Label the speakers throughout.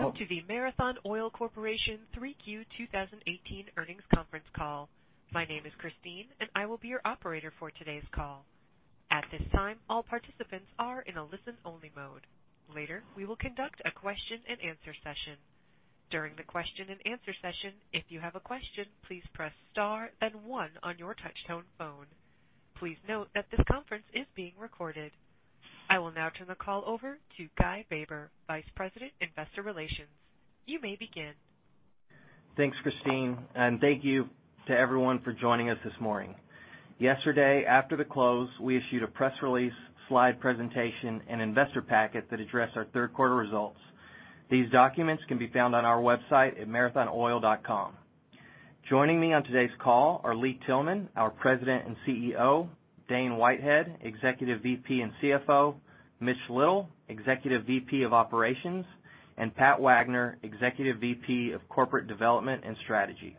Speaker 1: Welcome to the Marathon Oil Corporation 3Q 2018 earnings conference call. My name is Christine, and I will be your operator for today's call. At this time, all participants are in a listen-only mode. Later, we will conduct a question and answer session. During the question and answer session, if you have a question, please press star and one on your touch-tone phone. Please note that this conference is being recorded. I will now turn the call over to Guy Baber, Vice President, Investor Relations. You may begin.
Speaker 2: Thanks, Christine, and thank you to everyone for joining us this morning. Yesterday, after the close, we issued a press release, slide presentation, and investor packet that addressed our third quarter results. These documents can be found on our website at marathonoil.com. Joining me on today's call are Lee Tillman, our President and CEO, Dane Whitehead, Executive VP and CFO, Mitch Little, Executive VP of Operations, and Pat Wagner, Executive VP of Corporate Development and Strategy.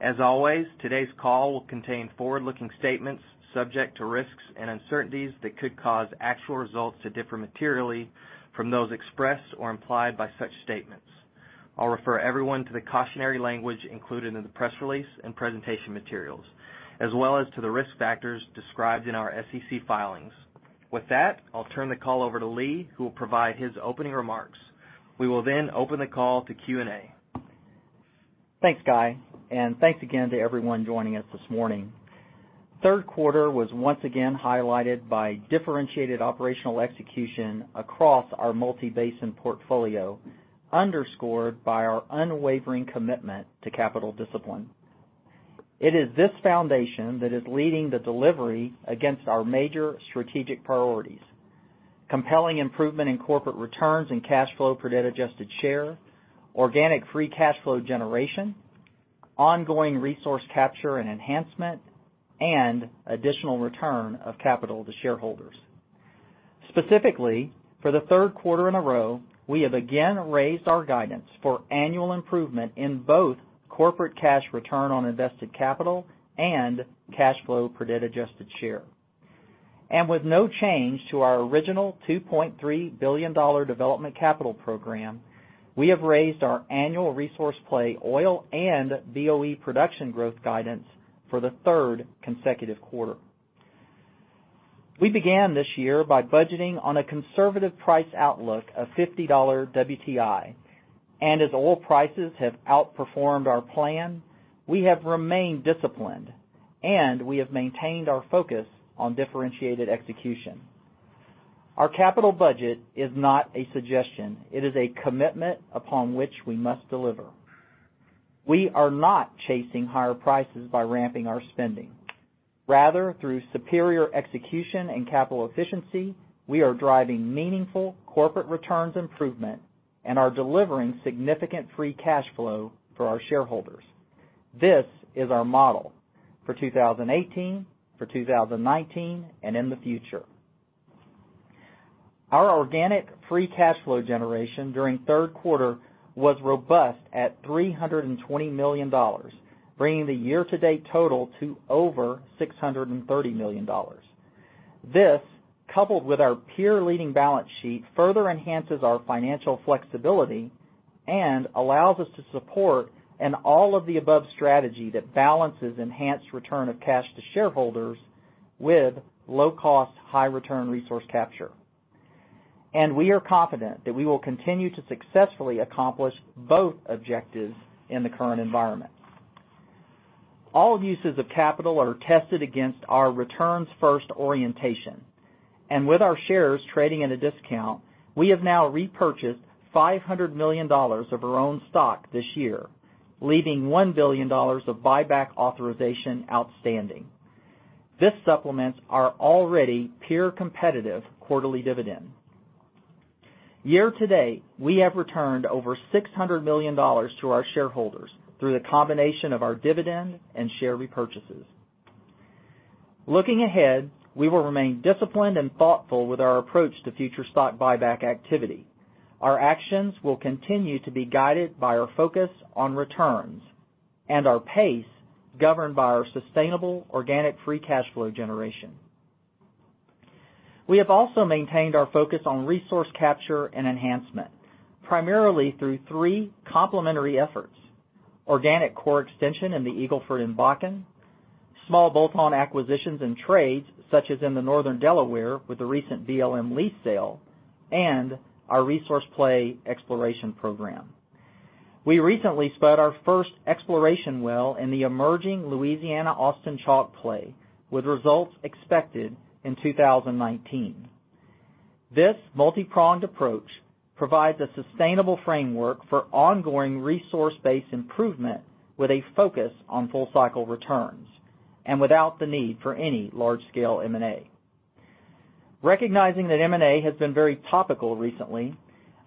Speaker 2: As always, today's call will contain forward-looking statements subject to risks and uncertainties that could cause actual results to differ materially from those expressed or implied by such statements. I'll refer everyone to the cautionary language included in the press release and presentation materials, as well as to the risk factors described in our SEC filings. With that, I'll turn the call over to Lee, who will provide his opening remarks. We will then open the call to Q&A.
Speaker 3: Thanks, Guy, and thanks again to everyone joining us this morning. Third quarter was once again highlighted by differentiated operational execution across our multi-basin portfolio, underscored by our unwavering commitment to capital discipline. It is this foundation that is leading the delivery against our major strategic priorities: compelling improvement in corporate returns and cash flow per debt-adjusted share, organic free cash flow generation, ongoing resource capture and enhancement, and additional return of capital to shareholders. Specifically, for the third quarter in a row, we have again raised our guidance for annual improvement in both corporate cash return on invested capital and cash flow per debt-adjusted share. With no change to our original $2.3 billion development capital program, we have raised our annual resource play oil and BOE production growth guidance for the third consecutive quarter. We began this year by budgeting on a conservative price outlook of $50 WTI, and as oil prices have outperformed our plan, we have remained disciplined, and we have maintained our focus on differentiated execution. Our capital budget is not a suggestion. It is a commitment upon which we must deliver. We are not chasing higher prices by ramping our spending. Rather, through superior execution and capital efficiency, we are driving meaningful corporate returns improvement and are delivering significant free cash flow for our shareholders. This is our model for 2018, for 2019, and in the future. Our organic free cash flow generation during the third quarter was robust at $320 million, bringing the year-to-date total to over $630 million. This, coupled with our peer-leading balance sheet, further enhances our financial flexibility and allows us to support an all-of-the-above strategy that balances enhanced return of cash to shareholders with low-cost, high-return resource capture. We are confident that we will continue to successfully accomplish both objectives in the current environment. All uses of capital are tested against our returns-first orientation, and with our shares trading at a discount, we have now repurchased $500 million of our own stock this year, leaving $1 billion of buyback authorization outstanding. This supplements our already peer-competitive quarterly dividend. Year to date, we have returned over $600 million to our shareholders through the combination of our dividend and share repurchases. Looking ahead, we will remain disciplined and thoughtful with our approach to future stock buyback activity. Our actions will continue to be guided by our focus on returns, and our pace governed by our sustainable organic free cash flow generation. We have also maintained our focus on resource capture and enhancement, primarily through three complementary efforts: organic core extension in the Eagle Ford and Bakken, small bolt-on acquisitions and trades, such as in the Northern Delaware with the recent BLM lease sale, and our resource play exploration program. We recently spudded our first exploration well in the emerging Louisiana Austin Chalk play, with results expected in 2019. This multi-pronged approach provides a sustainable framework for ongoing resource-based improvement with a focus on full-cycle returns and without the need for any large-scale M&A. Recognizing that M&A has been very topical recently,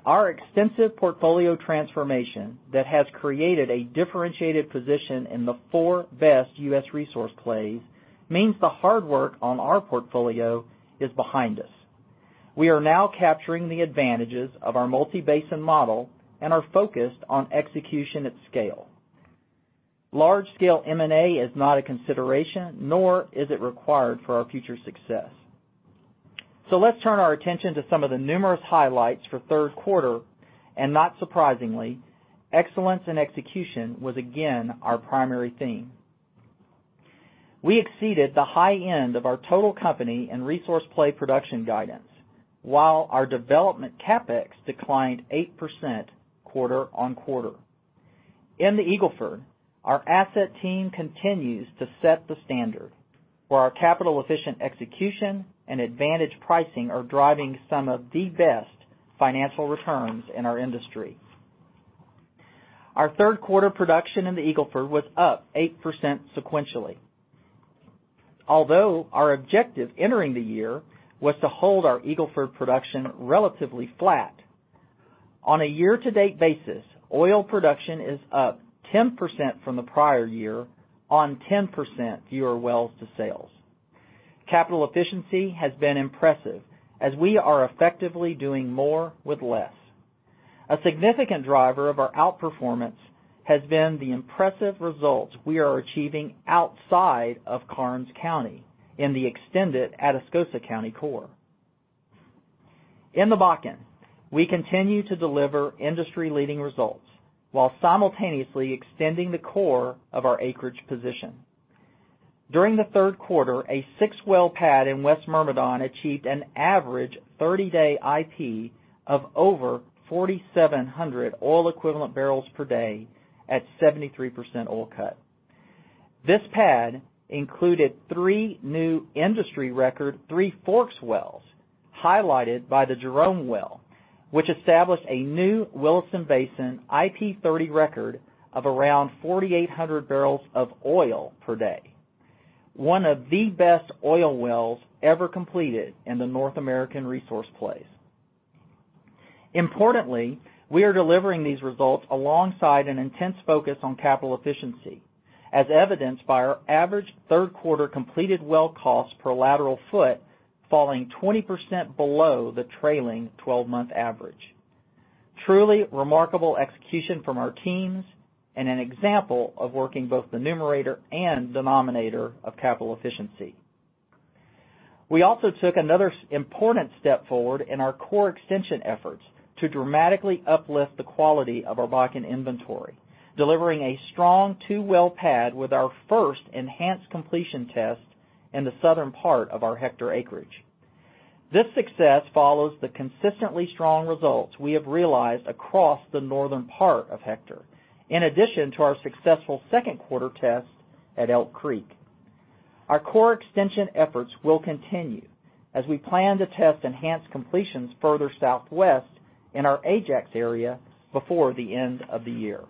Speaker 3: our extensive portfolio transformation that has created a differentiated position in the four best U.S. resource plays means the hard work on our portfolio is behind us. We are now capturing the advantages of our multi-basin model and are focused on execution at scale. Large-scale M&A is not a consideration, nor is it required for our future success. Let's turn our attention to some of the numerous highlights for third quarter, and not surprisingly, excellence in execution was again our primary theme. We exceeded the high end of our total company and resource play production guidance. While our development CapEx declined 8% quarter-on-quarter. In the Eagle Ford, our asset team continues to set the standard, where our capital-efficient execution and advantage pricing are driving some of the best financial returns in our industry. Our third quarter production in the Eagle Ford was up 8% sequentially. Our objective entering the year was to hold our Eagle Ford production relatively flat. On a year-to-date basis, oil production is up 10% from the prior year on 10% fewer wells to sales. Capital efficiency has been impressive, as we are effectively doing more with less. A significant driver of our outperformance has been the impressive results we are achieving outside of Karnes County in the extended Atascosa County core. In the Bakken, we continue to deliver industry-leading results while simultaneously extending the core of our acreage position. During the third quarter, a six-well pad in West Myrmidon achieved an average 30-day IP of over 4,700 oil equivalent barrels per day at 73% oil cut. This pad included three new industry record Three Forks wells, highlighted by the Jerome well, which established a new Williston Basin IP30 record of around 4,800 barrels of oil per day. One of the best oil wells ever completed in the North American resource plays. Importantly, we are delivering these results alongside an intense focus on capital efficiency, as evidenced by our average third quarter completed well costs per lateral foot falling 20% below the trailing 12-month average. Truly remarkable execution from our teams and an example of working both the numerator and denominator of capital efficiency. We also took another important step forward in our core extension efforts to dramatically uplift the quality of our Bakken inventory, delivering a strong two-well pad with our first enhanced completion test in the southern part of our Hector acreage. This success follows the consistently strong results we have realized across the northern part of Hector, in addition to our successful second quarter test at Elk Creek. Our core extension efforts will continue as we plan to test enhanced completions further southwest in our Ajax area before the end of the year.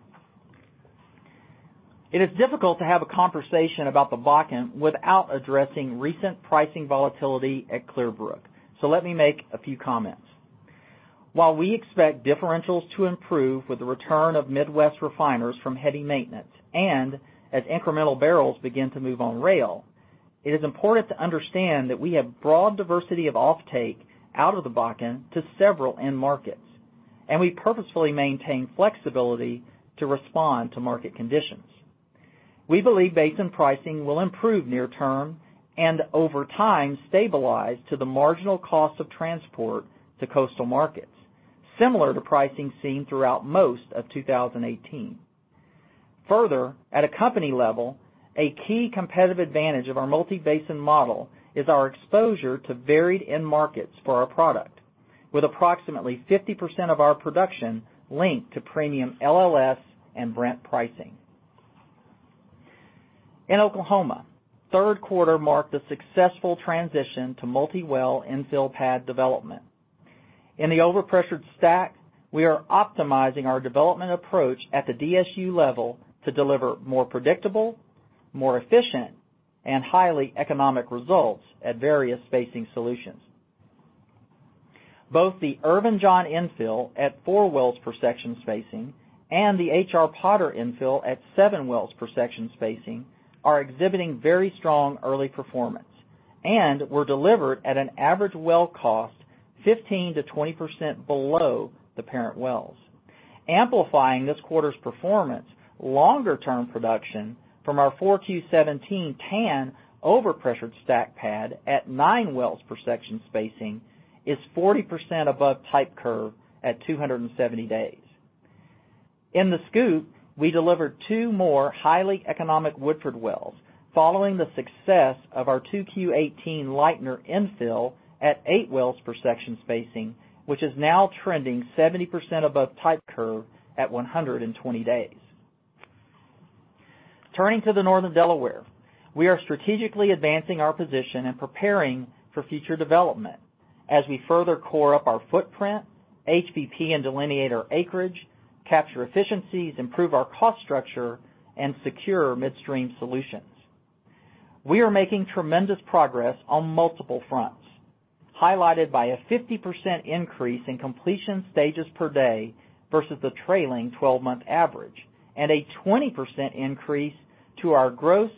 Speaker 3: It is difficult to have a conversation about the Bakken without addressing recent pricing volatility at Clearbrook. Let me make a few comments. While we expect differentials to improve with the return of Midwest refiners from heavy maintenance and as incremental barrels begin to move on rail, it is important to understand that we have broad diversity of offtake out of the Bakken to several end markets, and we purposefully maintain flexibility to respond to market conditions. We believe basin pricing will improve near term and over time stabilize to the marginal cost of transport to coastal markets, similar to pricing seen throughout most of 2018. Further, at a company level, a key competitive advantage of our multi-basin model is our exposure to varied end markets for our product, with approximately 50% of our production linked to premium LLS and Brent pricing. In Oklahoma, third quarter marked a successful transition to multi-well infill pad development. In the overpressured STACK, we are optimizing our development approach at the DSU level to deliver more predictable, more efficient, and highly economic results at various spacing solutions. Both the Irven John infill at four wells per section spacing and the HR Potter infill at seven wells per section spacing are exhibiting very strong early performance and were delivered at an average well cost 15%-20% below the parent wells. Amplifying this quarter's performance, longer-term production from our 4Q 2017 Tan overpressured STACK pad at nine wells per section spacing is 40% above type curve at 270 days. In the SCOOP, we delivered two more highly economic Woodford wells following the success of our 2Q 2018 Lightner infill at eight wells per section spacing, which is now trending 70% above type curve at 120 days. Turning to the Northern Delaware, we are strategically advancing our position and preparing for future development as we further core up our footprint, HBP and delineate our acreage, capture efficiencies, improve our cost structure, and secure midstream solutions. We are making tremendous progress on multiple fronts, highlighted by a 50% increase in completion stages per day versus the trailing 12-month average and a 20% increase to our gross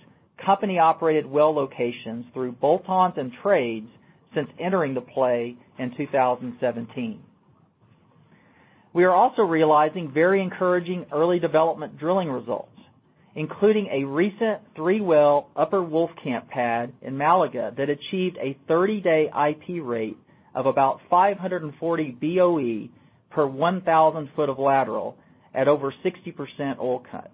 Speaker 3: company-operated well locations through bolt-ons and trades since entering the play in 2017. We are also realizing very encouraging early development drilling results, including a recent three-well Upper Wolfcamp pad in Malaga that achieved a 30-day IP rate of about 540 BOE per 1,000 foot of lateral at over 60% oil cut.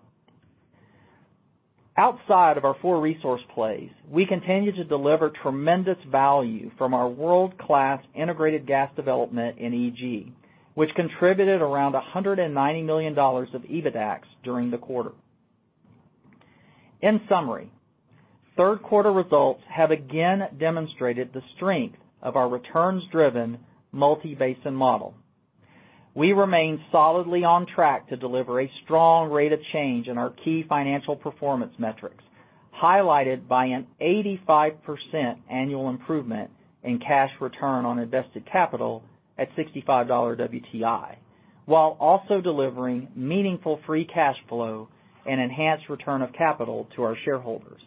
Speaker 3: Outside of our four resource plays, we continue to deliver tremendous value from our world-class integrated gas development in EG, which contributed around $190 million of EBITDAX during the quarter. In summary, third quarter results have again demonstrated the strength of our returns-driven multi-basin model. We remain solidly on track to deliver a strong rate of change in our key financial performance metrics, highlighted by an 85% annual improvement in cash return on invested capital at $65 WTI, while also delivering meaningful free cash flow and enhanced return of capital to our shareholders.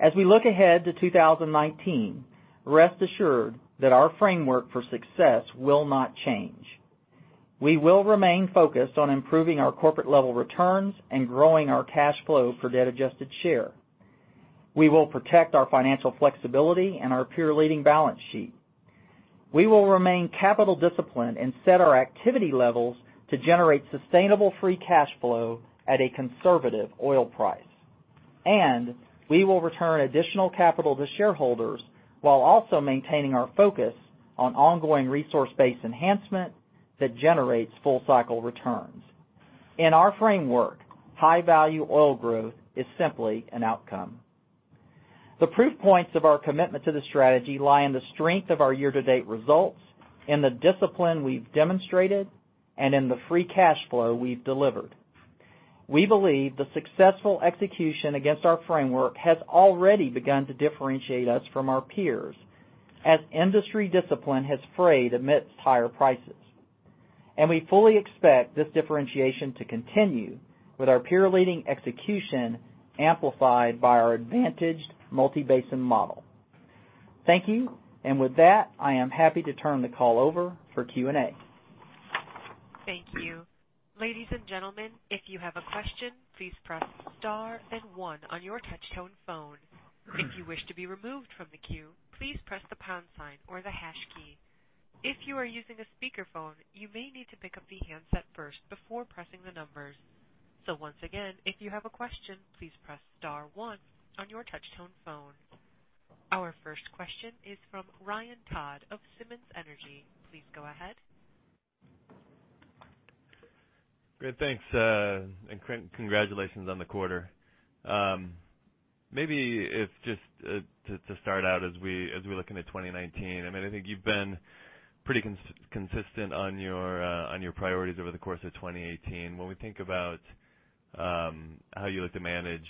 Speaker 3: As we look ahead to 2019, rest assured that our framework for success will not change. We will remain focused on improving our corporate level returns and growing our cash flow for debt-adjusted share. We will protect our financial flexibility and our peer-leading balance sheet. We will remain capital disciplined and set our activity levels to generate sustainable free cash flow at a conservative oil price. We will return additional capital to shareholders while also maintaining our focus on ongoing resource-based enhancement that generates full-cycle returns. In our framework, high-value oil growth is simply an outcome. The proof points of our commitment to the strategy lie in the strength of our year-to-date results, in the discipline we've demonstrated, and in the free cash flow we've delivered. We believe the successful execution against our framework has already begun to differentiate us from our peers, as industry discipline has frayed amidst higher prices. We fully expect this differentiation to continue with our peer-leading execution amplified by our advantaged multi-basin model. Thank you. With that, I am happy to turn the call over for Q&A.
Speaker 1: Thank you. Ladies and gentlemen, if you have a question, please press star then one on your touch-tone phone. If you wish to be removed from the queue, please press the pound sign or the hash key. If you are using a speakerphone, you may need to pick up the handset first before pressing the numbers. Once again, if you have a question, please press star one on your touch-tone phone. Our first question is from Ryan Todd of Simmons Energy. Please go ahead.
Speaker 4: Great. Thanks, congratulations on the quarter. Maybe to start out as we look into 2019, I think you've been pretty consistent on your priorities over the course of 2018. When we think about how you look to manage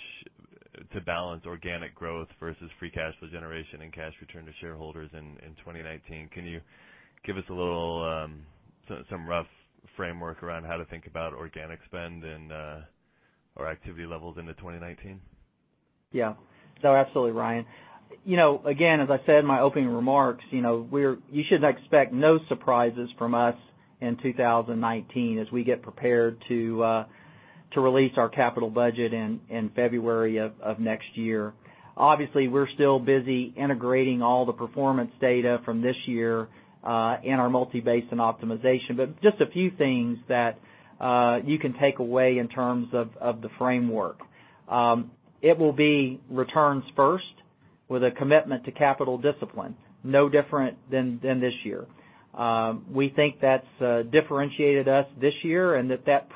Speaker 4: to balance organic growth versus free cash flow generation and cash return to shareholders in 2019, can you give us some rough framework around how to think about organic spend and our activity levels into 2019?
Speaker 3: Yeah. No, absolutely, Ryan. Again, as I said in my opening remarks, you should expect no surprises from us in 2019 as we get prepared to release our capital budget in February of next year. Obviously, we're still busy integrating all the performance data from this year in our multi-basin optimization. Just a few things that you can take away in terms of the framework. It will be returns first with a commitment to capital discipline, no different than this year. We think that's differentiated us this year and that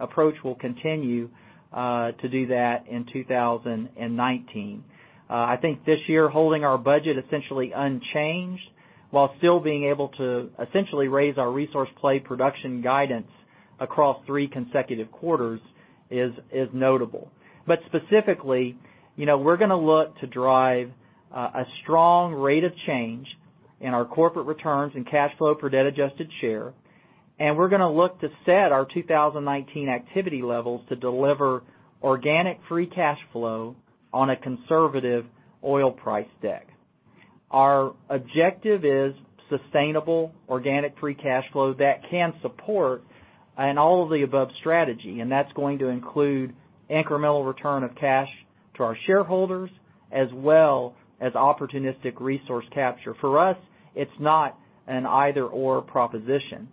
Speaker 3: approach will continue to do that in 2019. I think this year, holding our budget essentially unchanged, while still being able to essentially raise our resource play production guidance across three consecutive quarters is notable. Specifically, we're going to look to drive a strong rate of change in our corporate returns and cash flow per debt adjusted share, we're going to look to set our 2019 activity levels to deliver organic free cash flow on a conservative oil price deck. Our objective is sustainable organic free cash flow that can support an all of the above strategy, that's going to include incremental return of cash to our shareholders, as well as opportunistic resource capture. For us, it's not an either/or proposition.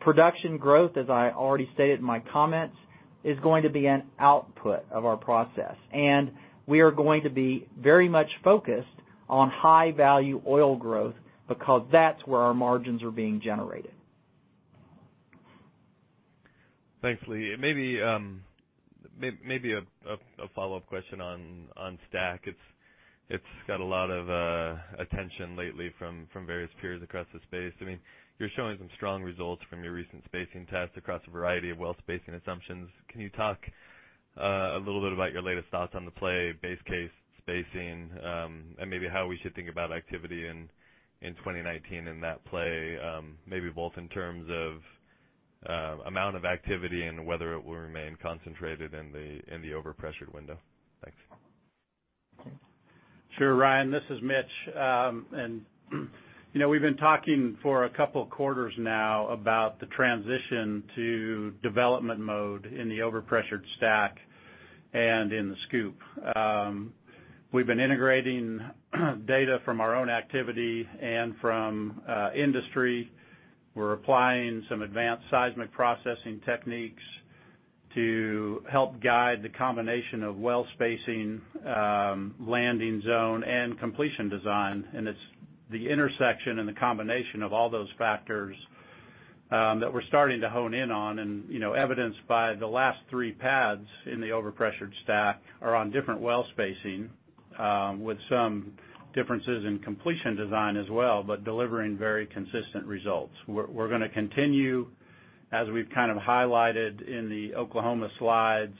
Speaker 3: Production growth, as I already stated in my comments, is going to be an output of our process, we are going to be very much focused on high-value oil growth because that's where our margins are being generated.
Speaker 4: Thanks, Lee. Maybe a follow-up question on STACK. It's got a lot of attention lately from various peers across the space. You're showing some strong results from your recent spacing tests across a variety of well spacing assumptions. Can you talk a little bit about your latest thoughts on the play, base case, spacing, and maybe how we should think about activity in 2019 in that play, maybe both in terms of amount of activity and whether it will remain concentrated in the overpressured window? Thanks.
Speaker 5: Sure, Ryan, this is Mitch. We've been talking for a couple of quarters now about the transition to development mode in the overpressured STACK and in the SCOOP. We've been integrating data from our own activity and from industry. We're applying some advanced seismic processing techniques to help guide the combination of well spacing, landing zone, and completion design. It's the intersection and the combination of all those factors that we're starting to hone in on, and evidenced by the last three pads in the overpressured STACK are on different well spacing, with some differences in completion design as well, but delivering very consistent results. We're going to continue, as we've kind of highlighted in the Oklahoma slides,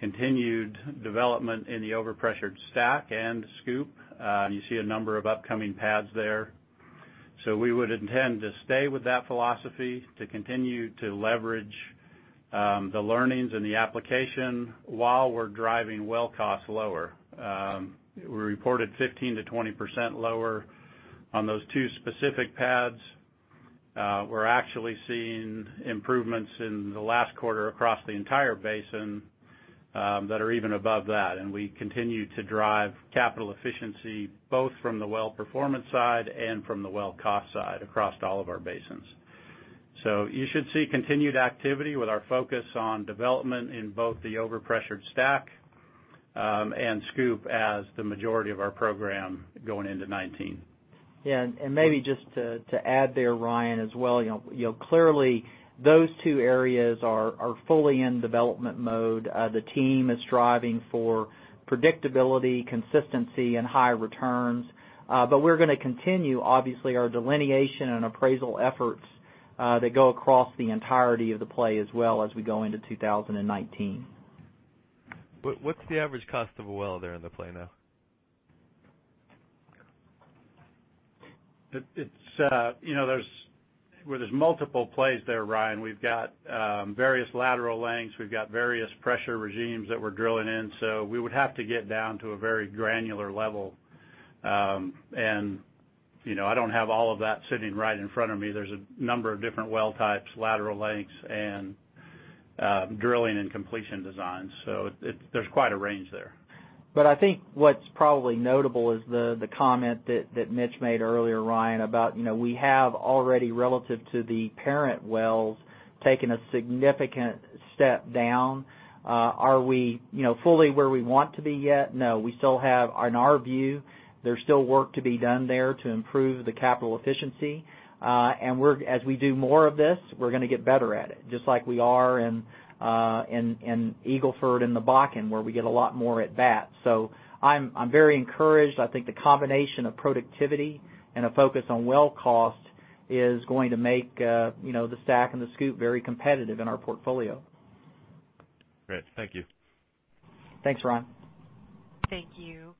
Speaker 5: continued development in the overpressured STACK and SCOOP. You see a number of upcoming pads there. We would intend to stay with that philosophy to continue to leverage the learnings and the application while we're driving well cost lower. We reported 15%-20% lower on those two specific pads. We're actually seeing improvements in the last quarter across the entire basin that are even above that. We continue to drive capital efficiency, both from the well performance side and from the well cost side across all of our basins. You should see continued activity with our focus on development in both the overpressured STACK and SCOOP as the majority of our program going into 2019.
Speaker 3: Yeah. Maybe just to add there, Ryan, as well. Clearly, those two areas are fully in development mode. The team is striving for predictability, consistency, and high returns. We're going to continue, obviously, our delineation and appraisal efforts that go across the entirety of the play as well as we go into 2019.
Speaker 4: What's the average cost of a well there in the play now?
Speaker 5: Well, there's multiple plays there, Ryan. We've got various lateral lengths. We've got various pressure regimes that we're drilling in. We would have to get down to a very granular level. I don't have all of that sitting right in front of me. There's a number of different well types, lateral lengths, and drilling and completion designs. There's quite a range there.
Speaker 3: I think what's probably notable is the comment that Mitch made earlier, Ryan, about we have already, relative to the parent wells, taken a significant step down. Are we fully where we want to be yet? No. We still have, on our view, there's still work to be done there to improve the capital efficiency. As we do more of this, we're going to get better at it, just like we are in Eagle Ford and the Bakken, where we get a lot more at bat. I'm very encouraged. I think the combination of productivity and a focus on well cost is going to make the STACK and the SCOOP very competitive in our portfolio.
Speaker 4: Great. Thank you.
Speaker 3: Thanks, Ryan.
Speaker 1: Thank you.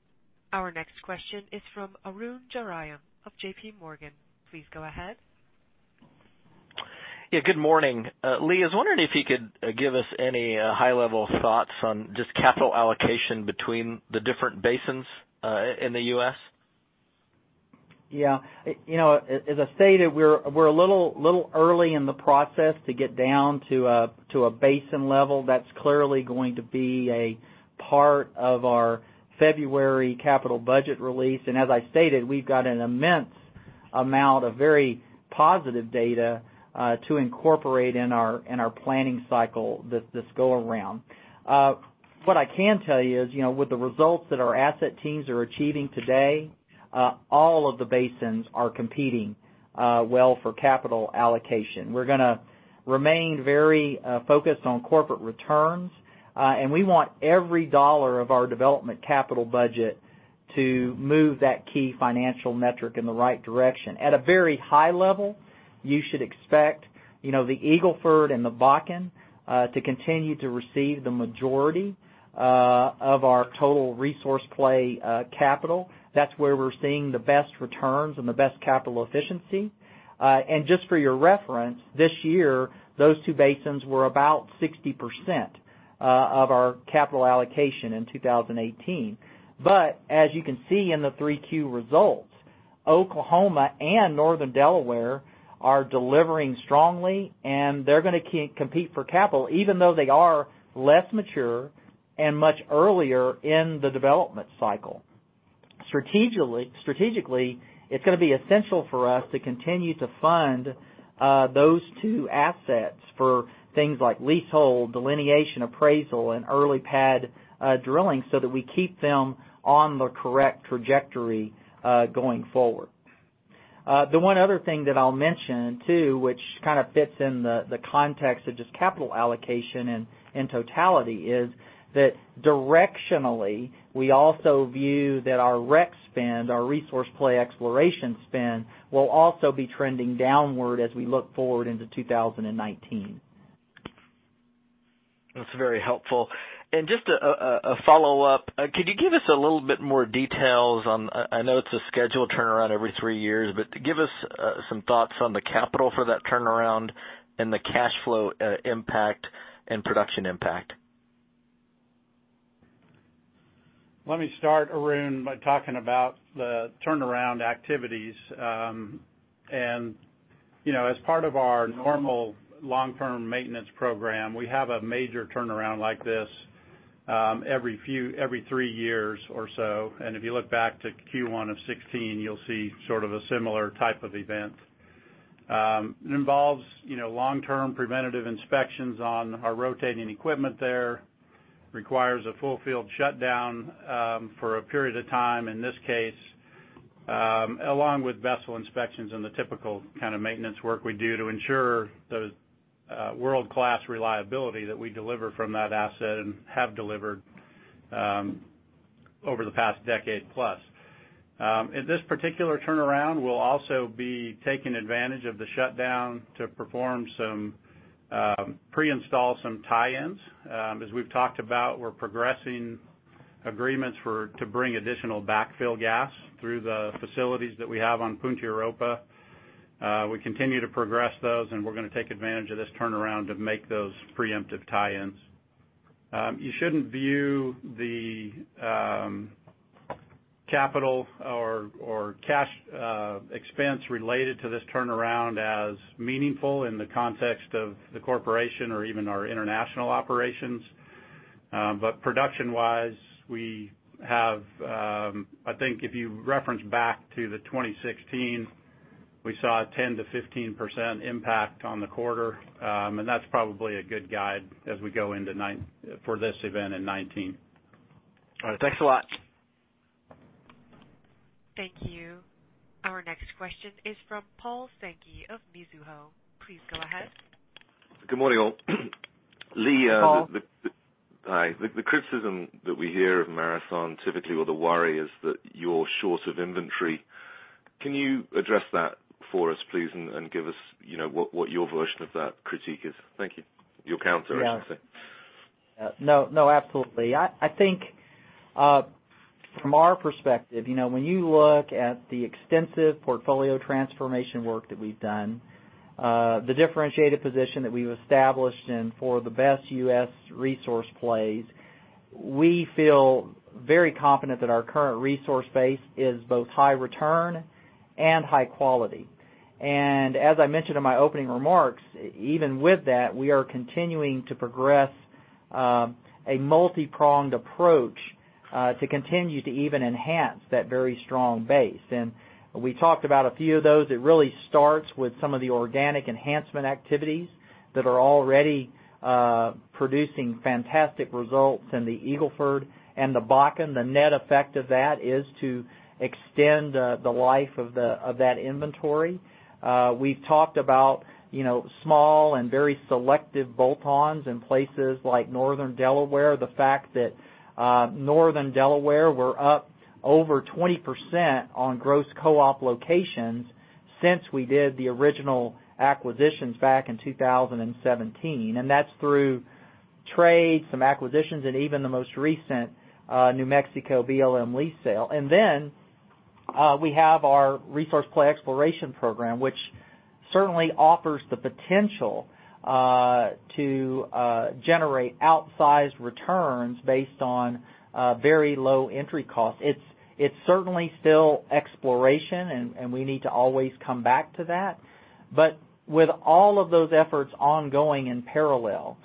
Speaker 1: Our next question is from Arun Jayaram of J.P. Morgan. Please go ahead.
Speaker 6: Yeah, good morning. Lee, I was wondering if you could give us any high-level thoughts on just capital allocation between the different basins in the U.S.
Speaker 3: Yeah. As I stated, we're a little early in the process to get down to a basin level that's clearly going to be a part of our February capital budget release. As I stated, we've got an immense amount of very positive data to incorporate in our planning cycle this go around. What I can tell you is, with the results that our asset teams are achieving today, all of the basins are competing well for capital allocation. We're going to remain very focused on corporate returns. We want every dollar of our development capital budget to move that key financial metric in the right direction. At a very high level, you should expect the Eagle Ford and the Bakken to continue to receive the majority of our total resource play capital. That's where we're seeing the best returns and the best capital efficiency. Just for your reference, this year, those two basins were about 60% of our capital allocation in 2018. As you can see in the 3Q results, Oklahoma and Northern Delaware are delivering strongly, and they're going to compete for capital, even though they are less mature and much earlier in the development cycle. Strategically, it's going to be essential for us to continue to fund those two assets for things like leasehold, delineation, appraisal, and early pad drilling so that we keep them on the correct trajectory going forward. The one other thing that I'll mention too, which kind of fits in the context of just capital allocation and in totality, is that directionally, we also view that our REx spend, our resource play exploration spend, will also be trending downward as we look forward into 2019.
Speaker 6: That's very helpful. Just a follow-up. Could you give us a little more details on, I know it's a scheduled turnaround every three years, but give us some thoughts on the capital for that turnaround and the cash flow impact and production impact.
Speaker 5: Let me start, Arun, by talking about the turnaround activities. As part of our normal long-term maintenance program, we have a major turnaround like this every three years or so. If you look back to Q1 of 2016, you'll see sort of a similar type of event. It involves long-term preventative inspections on our rotating equipment there, requires a full field shutdown for a period of time, in this case, along with vessel inspections and the typical kind of maintenance work we do to ensure the world-class reliability that we deliver from that asset and have delivered over the past decade plus. In this particular turnaround, we'll also be taking advantage of the shutdown to perform some pre-install, some tie-ins. As we've talked about, we're progressing agreements to bring additional backfill gas through the facilities that we have on Punta Europa. We continue to progress those, we're going to take advantage of this turnaround to make those preemptive tie-ins. You shouldn't view the capital or cash expense related to this turnaround as meaningful in the context of the corporation or even our international operations. Production-wise, we have, I think if you reference back to the 2016, we saw a 10%-15% impact on the quarter. That's probably a good guide as we go for this event in 2019.
Speaker 6: All right. Thanks a lot.
Speaker 1: Thank you. Our next question is from Paul Sankey of Mizuho. Please go ahead.
Speaker 7: Good morning, all.
Speaker 3: Good morning, Paul.
Speaker 7: Lee, hi. The criticism that we hear of Marathon typically, or the worry is that you're short of inventory. Can you address that for us, please, and give us what your version of that critique is? Thank you. Your counter, I should say.
Speaker 3: Yeah. No, absolutely. I think from our perspective, when you look at the extensive portfolio transformation work that we've done, the differentiated position that we've established, for the best U.S. resource plays, we feel very confident that our current resource base is both high return and high quality. As I mentioned in my opening remarks, even with that, we are continuing to progress a multi-pronged approach to continue to even enhance that very strong base. We talked about a few of those. It really starts with some of the organic enhancement activities that are already producing fantastic results in the Eagle Ford and the Bakken. The net effect of that is to extend the life of that inventory. We've talked about small and very selective bolt-ons in places like Northern Delaware. The fact that Northern Delaware were up over 20% on gross co-op locations since we did the original acquisitions back in 2017. That's through trades, some acquisitions, and even the most recent New Mexico BLM lease sale. We have our resource play exploration program, which certainly offers the potential to generate outsized returns based on very low entry costs. It's certainly still exploration, and we need to always come back to that. With all of those efforts ongoing in parallel,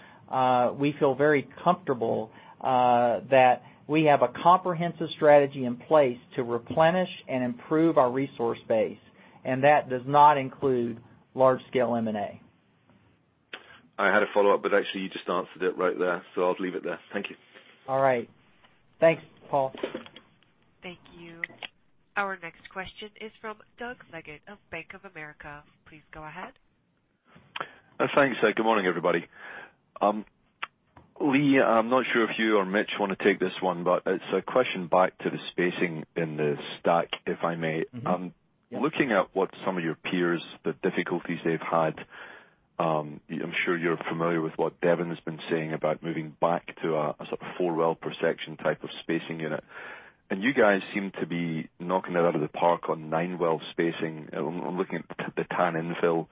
Speaker 3: we feel very comfortable that we have a comprehensive strategy in place to replenish and improve our resource base, and that does not include large scale M&A.
Speaker 7: I had a follow-up, but actually, you just answered it right there, so I'll leave it there. Thank you.
Speaker 3: All right. Thanks, Paul.
Speaker 1: Thank you. Our next question is from Doug Leggate of Bank of America. Please go ahead.
Speaker 8: Thanks. Good morning, everybody. Lee, I'm not sure if you or Mitch want to take this one, but it's a question back to the spacing in the STACK, if I may.
Speaker 3: Mm-hmm. Yeah.
Speaker 8: Looking at what some of your peers, the difficulties they've had, I'm sure you're familiar with what Devon has been saying about moving back to a sort of four well per section type of spacing unit. You guys seem to be knocking it out of the park on nine well spacing. I'm looking at the Tan infill.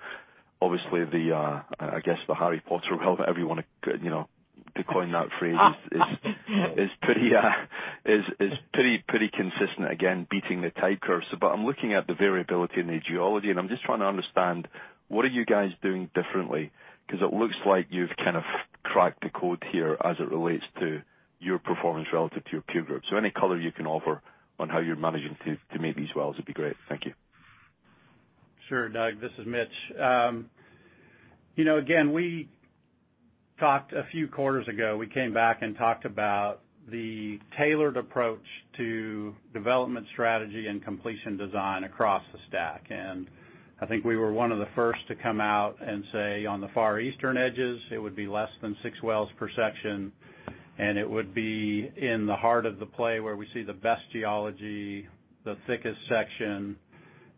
Speaker 8: Obviously, I guess, the HR Potter well, however you want to coin that phrase, is pretty consistent, again, beating the type curve. But I'm looking at the variability in the geology, and I'm just trying to understand what are you guys doing differently? Because it looks like you've kind of cracked the code here as it relates to your performance relative to your peer group. Any color you can offer on how you're managing to make these wells would be great. Thank you.
Speaker 5: Sure. Doug, this is Mitch. Again, we talked a few quarters ago, we came back and talked about the tailored approach to development strategy and completion design across the STACK. I think we were one of the first to come out and say on the far eastern edges it would be less than six wells per section, and it would be in the heart of the play where we see the best geology, the thickest section,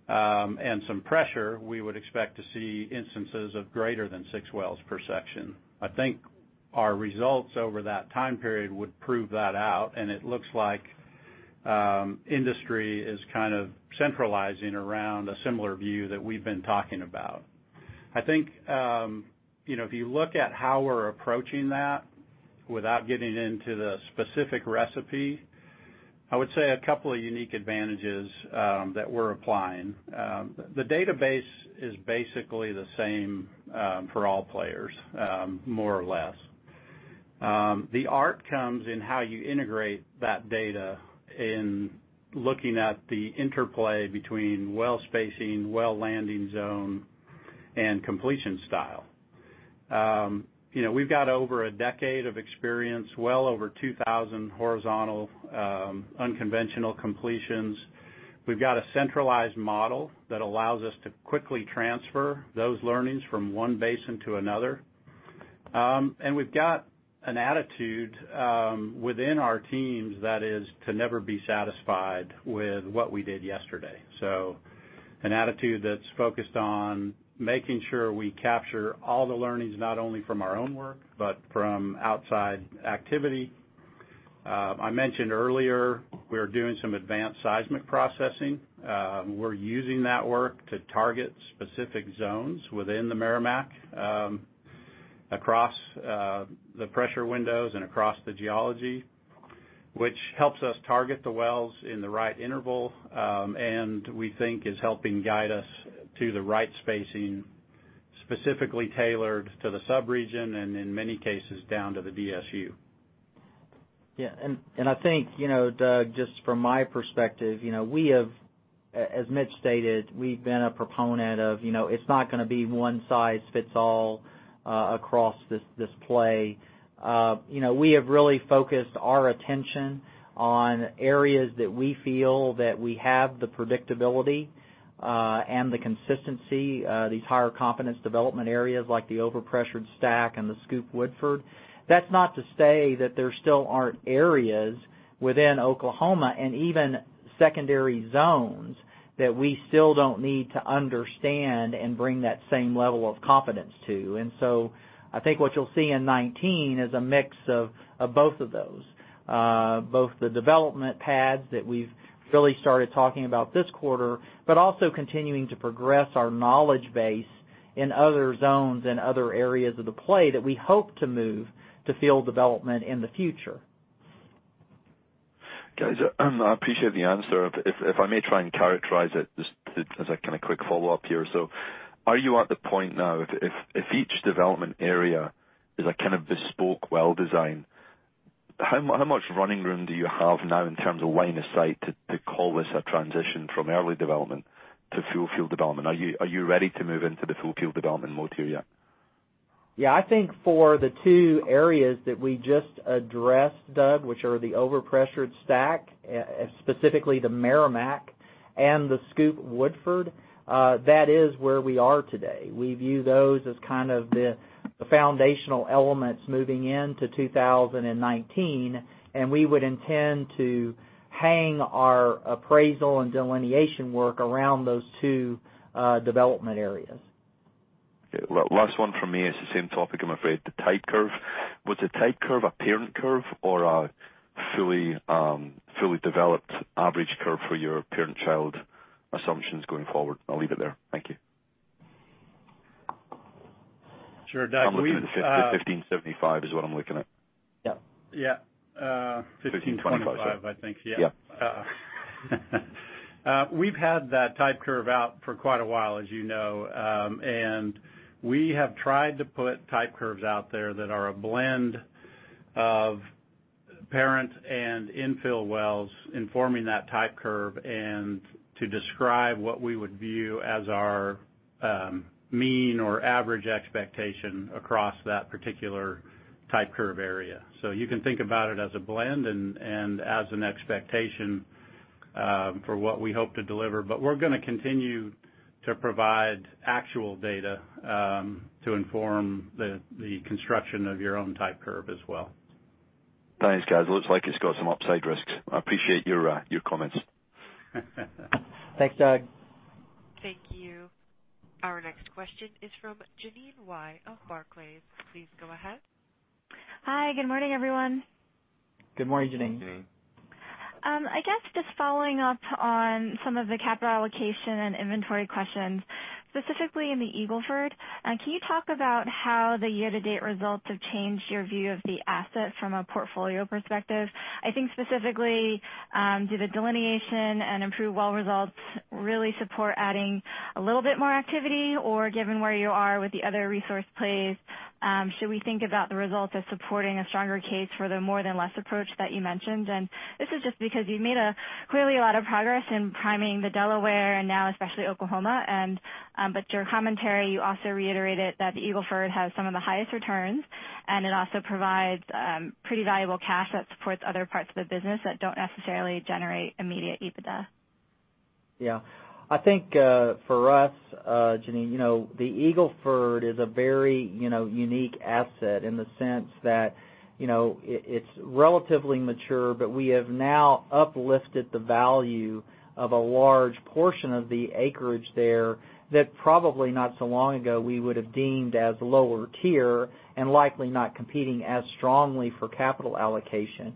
Speaker 5: and some pressure we would expect to see instances of greater than six wells per section. I think our results over that time period would prove that out, and it looks like industry is kind of centralizing around a similar view that we've been talking about. I think if you look at how we're approaching that, without getting into the specific recipe, I would say a couple of unique advantages that we're applying. The database is basically the same for all players, more or less. The art comes in how you integrate that data in looking at the interplay between well spacing, well landing zone, and completion style. We've got over a decade of experience, well over 2,000 horizontal unconventional completions. We've got a centralized model that allows us to quickly transfer those learnings from one basin to another. We've got an attitude within our teams that is to never be satisfied with what we did yesterday. An attitude that's focused on making sure we capture all the learnings, not only from our own work, but from outside activity. I mentioned earlier we're doing some advanced seismic processing. We're using that work to target specific zones within the Meramec across the pressure windows and across the geology, which helps us target the wells in the right interval, and we think is helping guide us to the right spacing specifically tailored to the sub-region, and in many cases, down to the DSU.
Speaker 3: Yeah. I think, Doug, just from my perspective, as Mitch stated, we've been a proponent of it's not going to be one size fits all across this play. We have really focused our attention on areas that we feel that we have the predictability and the consistency, these higher competence development areas like the overpressured STACK and the SCOOP Woodford. That's not to say that there still aren't areas within Oklahoma, and even secondary zones, that we still don't need to understand and bring that same level of confidence to. I think what you'll see in 2019 is a mix of both of those. Both the development pads that we've really started talking about this quarter, but also continuing to progress our knowledge base in other zones and other areas of the play that we hope to move to field development in the future.
Speaker 8: Guys, I appreciate the answer. If I may try and characterize it just as a quick follow-up here. Are you at the point now if each development area is a kind of bespoke well design, how much running room do you have now in terms of line of sight to call this a transition from early development to full field development? Are you ready to move into the full field development mode here yet?
Speaker 3: Yeah, I think for the two areas that we just addressed, Doug, which are the overpressured STACK, specifically the Meramec, and the SCOOP Woodford, that is where we are today. We view those as the foundational elements moving into 2019, and we would intend to hang our appraisal and delineation work around those two development areas.
Speaker 8: Okay. Last one from me is the same topic, I'm afraid, the type curve. Was the type curve a parent curve or a fully developed average curve for your parent-child assumptions going forward? I'll leave it there. Thank you.
Speaker 5: Sure, Doug. We've
Speaker 8: I'm looking at the 1525 is what I'm looking at.
Speaker 3: Yep.
Speaker 5: Yeah. 1525, I think. Yeah.
Speaker 8: Yep.
Speaker 5: We've had that type curve out for quite a while, as you know. We have tried to put type curves out there that are a blend of parent and infill wells informing that type curve, and to describe what we would view as our mean or average expectation across that particular type curve area. You can think about it as a blend and as an expectation for what we hope to deliver. We're going to continue to provide actual data to inform the construction of your own type curve as well.
Speaker 8: Thanks, guys. It looks like it's got some upside risks. I appreciate your comments.
Speaker 3: Thanks, Doug.
Speaker 1: Thank you. Our next question is from Jeanine Wai of Barclays. Please go ahead.
Speaker 9: Hi. Good morning, everyone.
Speaker 3: Good morning, Jeanine.
Speaker 5: Good morning.
Speaker 9: I guess just following up on some of the capital allocation and inventory questions, specifically in the Eagle Ford. Can you talk about how the year-to-date results have changed your view of the asset from a portfolio perspective? I think specifically, do the delineation and improved well results really support adding a little bit more activity? Or given where you are with the other resource plays, should we think about the results as supporting a stronger case for the more than less approach that you mentioned? This is just because you've made clearly a lot of progress in priming the Delaware, and now especially Oklahoma. Your commentary, you also reiterated that the Eagle Ford has some of the highest returns, and it also provides pretty valuable cash that supports other parts of the business that don't necessarily generate immediate EBITDA.
Speaker 3: Yeah. I think for us, Jeanine, the Eagle Ford is a very unique asset in the sense that it's relatively mature, but we have now uplifted the value of a large portion of the acreage there that probably not so long ago we would have deemed as lower tier, and likely not competing as strongly for capital allocation.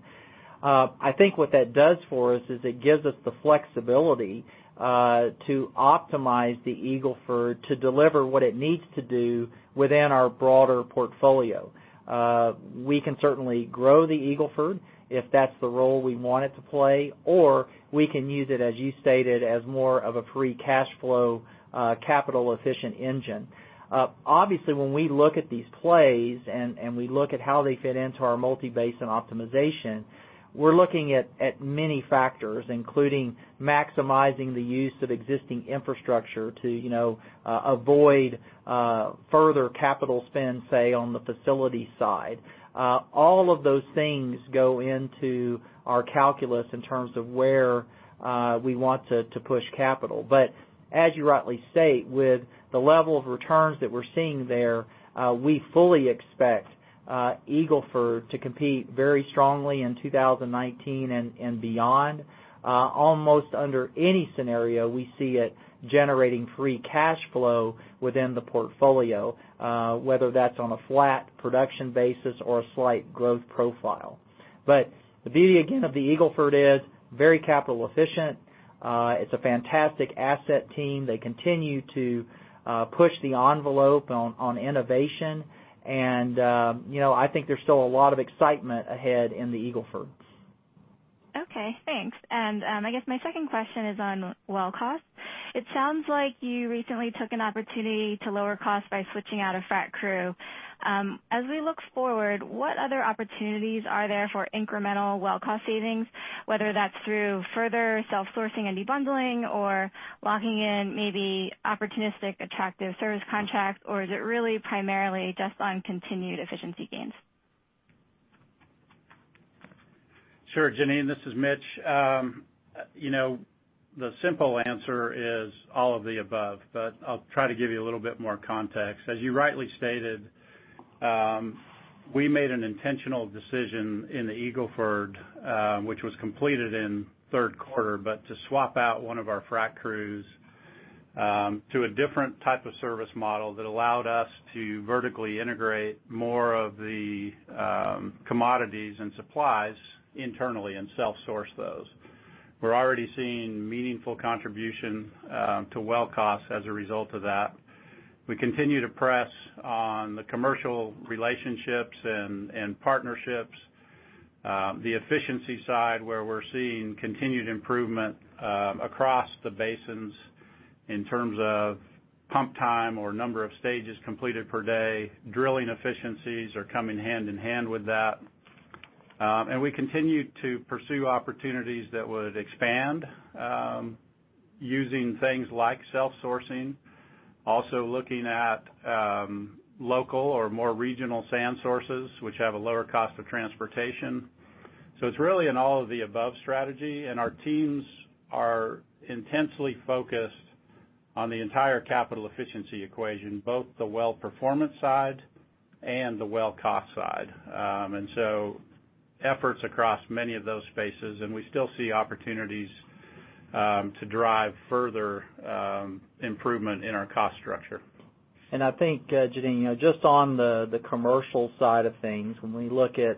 Speaker 3: I think what that does for us is it gives us the flexibility to optimize the Eagle Ford to deliver what it needs to do within our broader portfolio. We can certainly grow the Eagle Ford if that's the role we want it to play, or we can use it, as you stated, as more of a free cash flow, capital-efficient engine. Obviously, when we look at these plays, we look at how they fit into our multi-basin optimization, we're looking at many factors, including maximizing the use of existing infrastructure to avoid further capital spend, say, on the facility side. All of those things go into our calculus in terms of where we want to push capital. As you rightly state, with the level of returns that we're seeing there, we fully expect Eagle Ford to compete very strongly in 2019 and beyond. Almost under any scenario, we see it generating free cash flow within the portfolio, whether that's on a flat production basis or a slight growth profile. The beauty again of the Eagle Ford is very capital efficient. It's a fantastic asset team. They continue to push the envelope on innovation. I think there's still a lot of excitement ahead in the Eagle Ford.
Speaker 9: Okay, thanks. I guess my second question is on well cost. It sounds like you recently took an opportunity to lower cost by switching out a frac crew. As we look forward, what other opportunities are there for incremental well cost savings, whether that's through further self-sourcing and de-bundling or locking in maybe opportunistic attractive service contract? Is it really primarily just on continued efficiency gains?
Speaker 5: Sure, Jeanine, this is Mitch. The simple answer is all of the above, I'll try to give you a little bit more context. As you rightly stated, we made an intentional decision in the Eagle Ford, which was completed in third quarter, to swap out one of our frac crews to a different type of service model that allowed us to vertically integrate more of the commodities and supplies internally and self-source those. We're already seeing meaningful contribution to well costs as a result of that. We continue to press on the commercial relationships and partnerships. The efficiency side, where we're seeing continued improvement across the basins in terms of pump time or number of stages completed per day. Drilling efficiencies are coming hand in hand with that. We continue to pursue opportunities that would expand using things like self-sourcing, also looking at local or more regional sand sources, which have a lower cost of transportation. It's really an all of the above strategy, and our teams are intensely focused on the entire capital efficiency equation, both the well performance side and the well cost side. Efforts across many of those spaces, and we still see opportunities to drive further improvement in our cost structure.
Speaker 3: I think, Jeanine, just on the commercial side of things, when we look at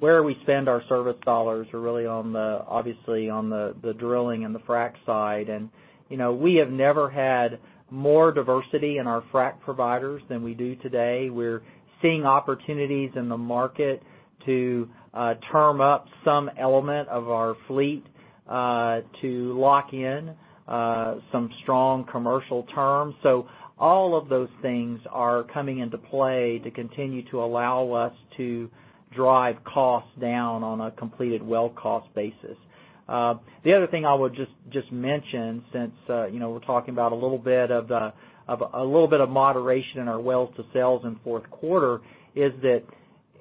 Speaker 3: where we spend our service dollars are really obviously on the drilling and the frac side. We have never had more diversity in our frac providers than we do today. We're seeing opportunities in the market to term up some element of our fleet to lock in some strong commercial terms. All of those things are coming into play to continue to allow us to drive costs down on a completed well cost basis. The other thing I would just mention, since we're talking about a little bit of moderation in our wells to sales in fourth quarter, is that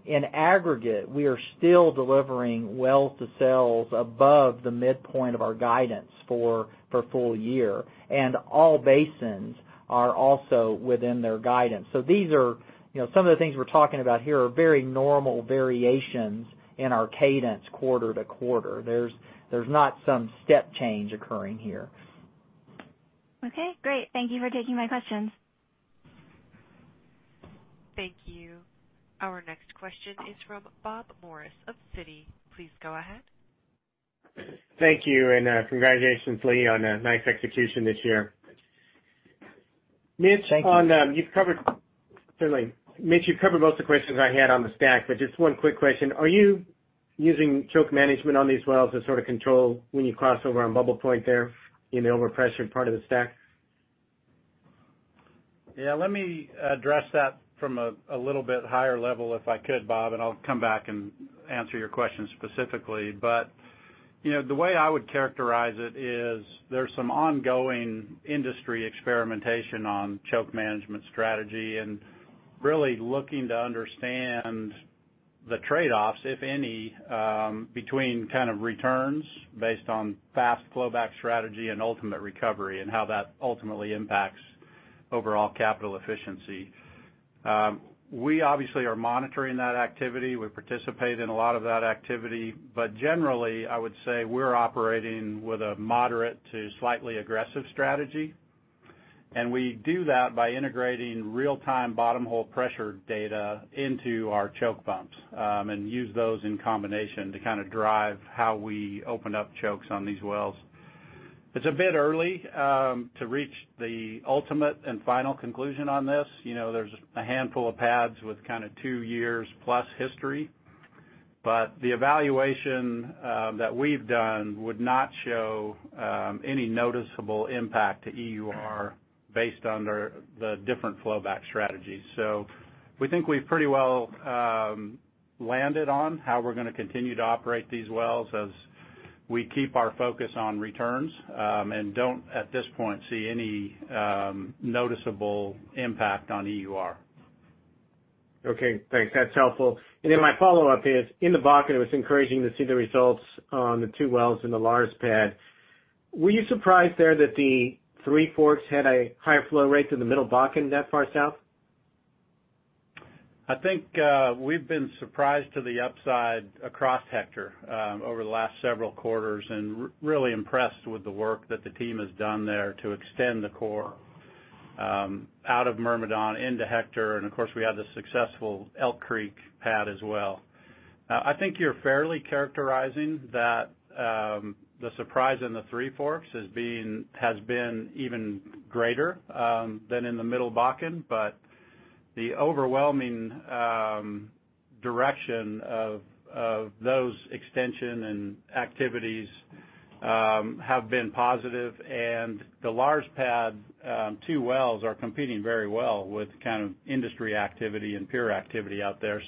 Speaker 3: in aggregate, we are still delivering wells to sales above the midpoint of our guidance for full year, and all basins are also within their guidance. Some of the things we're talking about here are very normal variations in our cadence quarter-to-quarter. There's not some step change occurring here.
Speaker 9: Great. Thank you for taking my questions.
Speaker 1: Thank you. Our next question is from Bob Morris of Citi. Please go ahead.
Speaker 10: Thank you. Congratulations, Lee, on a nice execution this year.
Speaker 3: Thank you.
Speaker 10: Mitch, you've covered most of the questions I had on the STACK, just one quick question. Are you using choke management on these wells to sort of control when you cross over on bubble point there in the overpressure part of the STACK?
Speaker 5: Yeah, let me address that from a little bit higher level if I could, Bob, and I'll come back and answer your question specifically. The way I would characterize it is there's some ongoing industry experimentation on choke management strategy and really looking to understand the trade-offs, if any, between kind of returns based on fast flow back strategy and ultimate recovery, and how that ultimately impacts overall capital efficiency. We obviously are monitoring that activity. We participate in a lot of that activity. Generally, I would say we're operating with a moderate to slightly aggressive strategy. We do that by integrating real-time bottom hole pressure data into our choke pumps, and use those in combination to drive how we open up chokes on these wells. It's a bit early to reach the ultimate and final conclusion on this. There's a handful of pads with two years plus history. The evaluation that we've done would not show any noticeable impact to EUR based under the different flowback strategies. We think we've pretty well landed on how we're going to continue to operate these wells as we keep our focus on returns, and don't, at this point, see any noticeable impact on EUR.
Speaker 10: Okay, thanks. That's helpful. My follow-up is, in the Bakken, it was encouraging to see the results on the two wells in the Lars pad. Were you surprised there that the Three Forks had a higher flow rate than the Middle Bakken that far south?
Speaker 5: I think we've been surprised to the upside across Hector over the last several quarters, and really impressed with the work that the team has done there to extend the core out of Myrmidon into Hector, and of course, we had the successful Elk Creek pad as well. I think you're fairly characterizing that the surprise in the Three Forks has been even greater than in the Middle Bakken. The overwhelming direction of those extension and activities have been positive, and the Lars pad two wells are competing very well with industry activity and peer activity out there.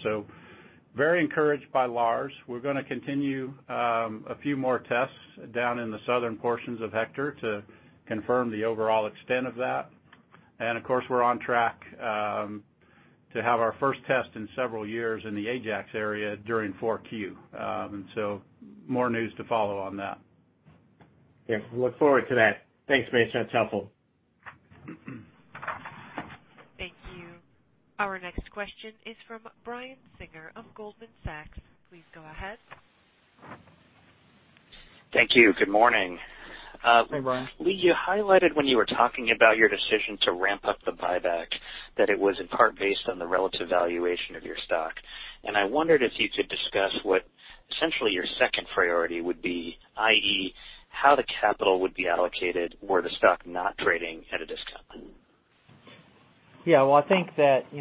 Speaker 5: Very encouraged by Lars. We're going to continue a few more tests down in the southern portions of Hector to confirm the overall extent of that. Of course, we're on track to have our first test in several years in the Ajax area during 4Q. More news to follow on that.
Speaker 10: Yeah. We look forward to that. Thanks, Mitch. That's helpful.
Speaker 1: Thank you. Our next question is from Brian Singer of Goldman Sachs. Please go ahead.
Speaker 11: Thank you. Good morning.
Speaker 3: Hey, Brian.
Speaker 11: Lee, you highlighted when you were talking about your decision to ramp up the buyback, that it was in part based on the relative valuation of your stock. I wondered if you could discuss what essentially your second priority would be, i.e., how the capital would be allocated were the stock not trading at a discount?
Speaker 3: Yeah. Well, I think that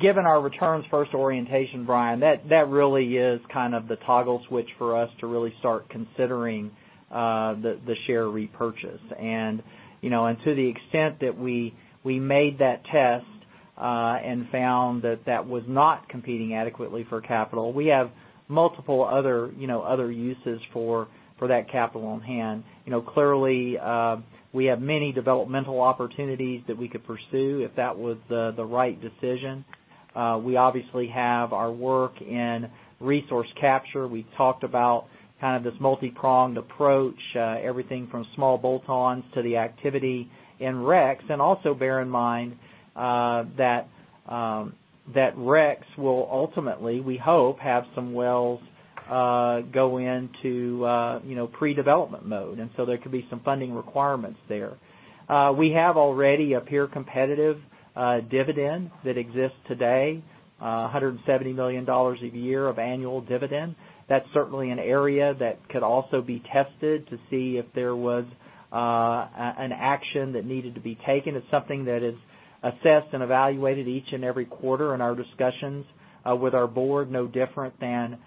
Speaker 3: given our returns first orientation, Brian, that really is the toggle switch for us to really start considering the share repurchase. To the extent that we made that test, and found that that was not competing adequately for capital, we have multiple other uses for that capital on hand. Clearly, we have many developmental opportunities that we could pursue if that was the right decision. We obviously have our work in resource capture. We've talked about this multi-pronged approach, everything from small bolt-ons to the activity in REx. Also bear in mind that REx will ultimately, we hope, have some wells go into pre-development mode. So there could be some funding requirements there. We have already a peer competitive dividend that exists today, $170 million a year of annual dividend.
Speaker 5: That's certainly an area that could also be tested to see if there was an action that needed to be taken. It's something that is assessed and evaluated each and every quarter in our discussions with our board, no different than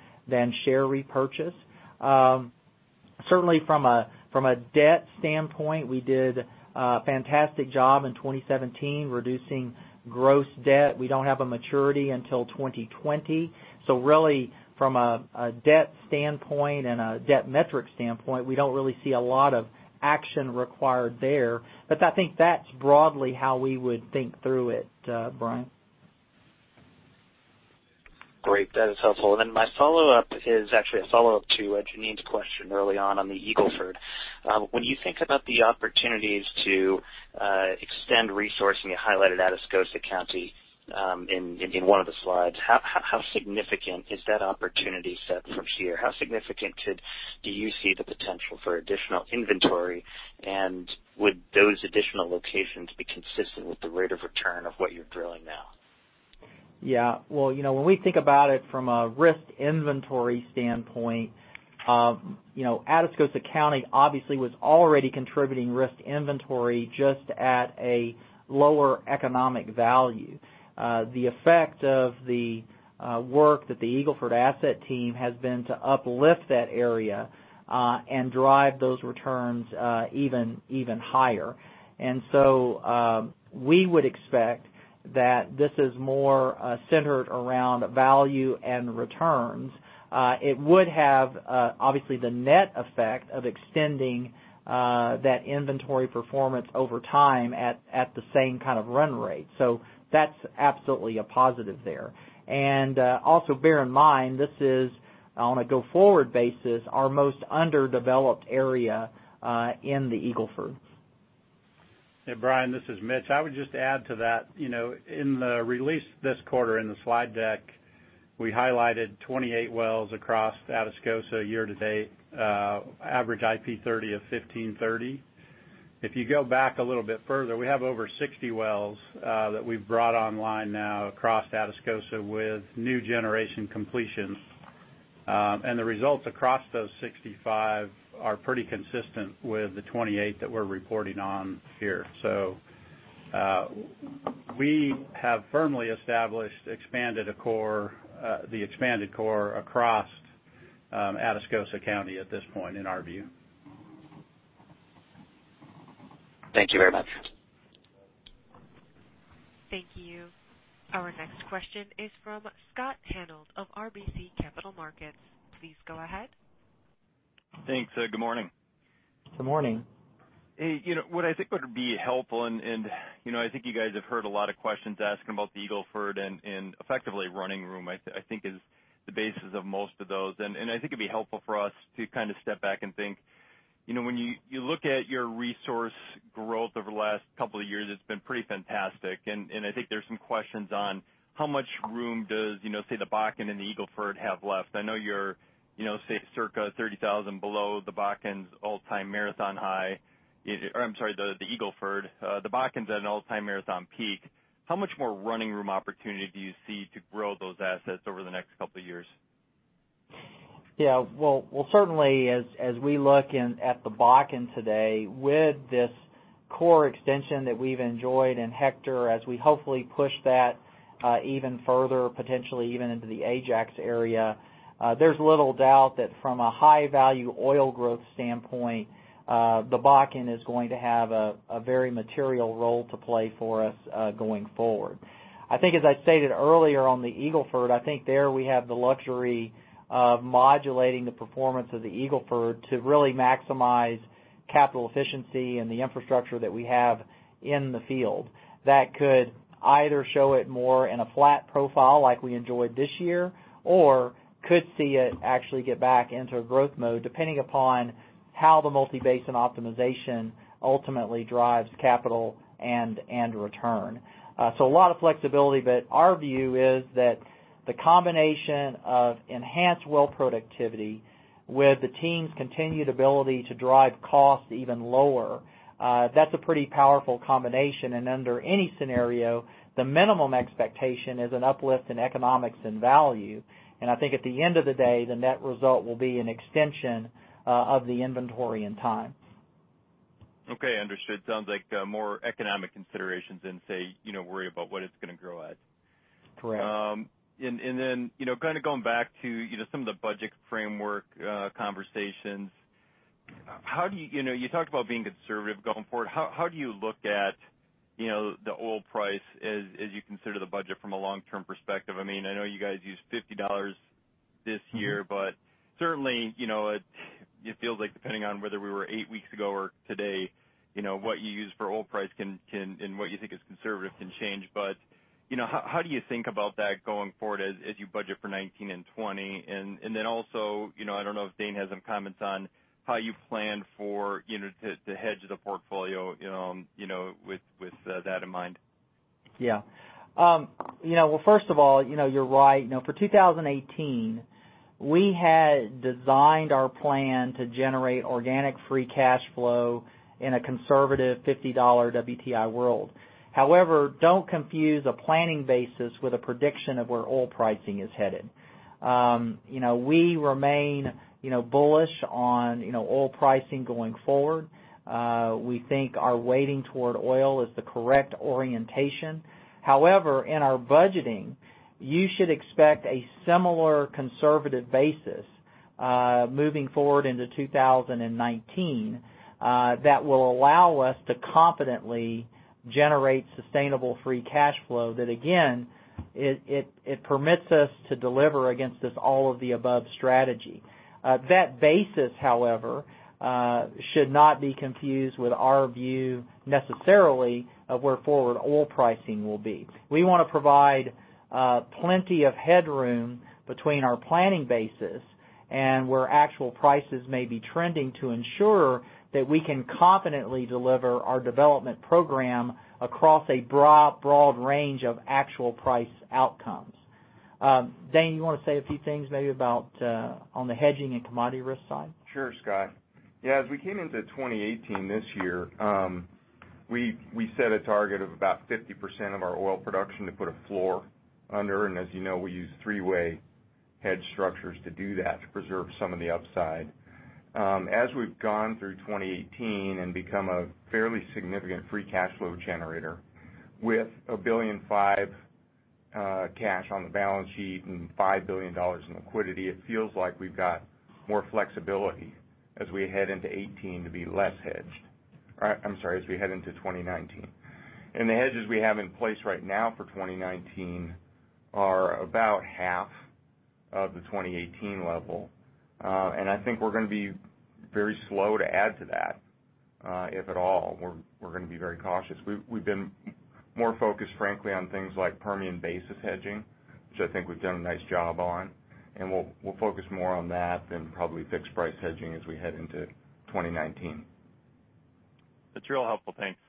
Speaker 5: share repurchase. Certainly from a debt standpoint, we did a fantastic job in 2017 reducing gross debt. We don't have a maturity until 2020. Really from a debt standpoint and a debt metric standpoint, we don't really see a lot of action required there. I think that's broadly how we would think through it, Brian.
Speaker 11: Great. That is helpful. Then my follow-up is actually a follow-up to Jeanine's question early on the Eagle Ford. When you think about the opportunities to extend resource, and you highlighted Atascosa County in one of the slides, how significant is that opportunity set from sheer? How significant do you see the potential for additional inventory? Would those additional locations be consistent with the rate of return of what you're drilling now?
Speaker 3: When we think about it from a risk inventory standpoint, Atascosa County obviously was already contributing risk inventory, just at a lower economic value. The effect of the work that the Eagle Ford asset team has been to uplift that area, and drive those returns even higher. We would expect that this is more centered around value and returns. It would have, obviously, the net effect of extending that inventory performance over time at the same kind of run rate. That's absolutely a positive there. Also bear in mind, this is, on a go-forward basis, our most underdeveloped area in the Eagle Ford.
Speaker 5: Hey, Brian, this is Mitch. I would just add to that. In the release this quarter in the slide deck. We highlighted 28 wells across Atascosa year to date, average IP30 of 1,530 BOE/d. If you go back a little bit further, we have over 60 wells that we've brought online now across Atascosa with new generation completions. The results across those 65 wells are pretty consistent with the 28 wells that we're reporting on here. We have firmly established the expanded core across Atascosa County at this point, in our view.
Speaker 11: Thank you very much.
Speaker 1: Thank you. Our next question is from Scott Hanold of RBC Capital Markets. Please go ahead.
Speaker 12: Thanks. Good morning.
Speaker 3: Good morning.
Speaker 12: What I think would be helpful, I think you guys have heard a lot of questions asking about the Eagle Ford and effectively running room, I think is the basis of most of those. I think it'd be helpful for us to step back and think. When you look at your resource growth over the last couple of years, it's been pretty fantastic, and I think there's some questions on how much room does the Bakken and the Eagle Ford have left? I know you're circa 30,000 below the Bakken's all-time Marathon Oil high. Or I'm sorry, the Eagle Ford. The Bakken's at an all-time Marathon Oil peak. How much more running room opportunity do you see to grow those assets over the next couple of years?
Speaker 3: Yeah. Well, certainly as we look at the Bakken today, with this core extension that we've enjoyed in Hector, as we hopefully push that even further, potentially even into the Ajax area, there's little doubt that from a high-value oil growth standpoint, the Bakken is going to have a very material role to play for us going forward. I think as I stated earlier on the Eagle Ford, I think there we have the luxury of modulating the performance of the Eagle Ford to really maximize capital efficiency and the infrastructure that we have in the field. That could either show it more in a flat profile like we enjoyed this year, or could see it actually get back into a growth mode, depending upon how the multi-basin optimization ultimately drives capital and return. A lot of flexibility, but our view is that the combination of enhanced well productivity with the team's continued ability to drive costs even lower, that's a pretty powerful combination. Under any scenario, the minimum expectation is an uplift in economics and value. I think at the end of the day, the net result will be an extension of the inventory and time.
Speaker 12: Okay, understood. Sounds like more economic considerations than say, worry about what it's going to grow at.
Speaker 3: Correct.
Speaker 12: Going back to some of the budget framework conversations. You talked about being conservative going forward. How do you look at the oil price as you consider the budget from a long-term perspective? I know you guys used $50 this year, certainly, it feels like depending on whether we were eight weeks ago or today, what you use for oil price and what you think is conservative can change. How do you think about that going forward as you budget for 2019 and 2020? I don't know if Dane has some comments on how you plan to hedge the portfolio with that in mind.
Speaker 3: Well, first of all, you're right. For 2018, we had designed our plan to generate organic free cash flow in a conservative $50 WTI world. However, don't confuse a planning basis with a prediction of where oil pricing is headed. We remain bullish on oil pricing going forward. We think our weighting toward oil is the correct orientation. However, in our budgeting, you should expect a similar conservative basis moving forward into 2019 that will allow us to confidently generate sustainable free cash flow that again, it permits us to deliver against this all-of-the-above strategy. That basis, however, should not be confused with our view necessarily of where forward oil pricing will be. We want to provide plenty of headroom between our planning basis and where actual prices may be trending to ensure that we can confidently deliver our development program across a broad range of actual price outcomes. Dane, you want to say a few things maybe about on the hedging and commodity risk side?
Speaker 13: Sure, Scott. As we came into 2018 this year, we set a target of about 50% of our oil production to put a floor under, and as you know, we use three-way hedge structures to do that, to preserve some of the upside. As we've gone through 2018 and become a fairly significant free cash flow generator with $1.5 billion cash on the balance sheet and $5 billion in liquidity, it feels like we've got more flexibility as we head into 2018 to be less hedged. I'm sorry, as we head into 2019. The hedges we have in place right now for 2019 are about half of the 2018 level. I think we're going to be very slow to add to that, if at all. We're going to be very cautious. We've been more focused, frankly, on things like Permian basis hedging, which I think we've done a nice job on, and we'll focus more on that than probably fixed price hedging as we head into 2019.
Speaker 12: It's real helpful. Thanks.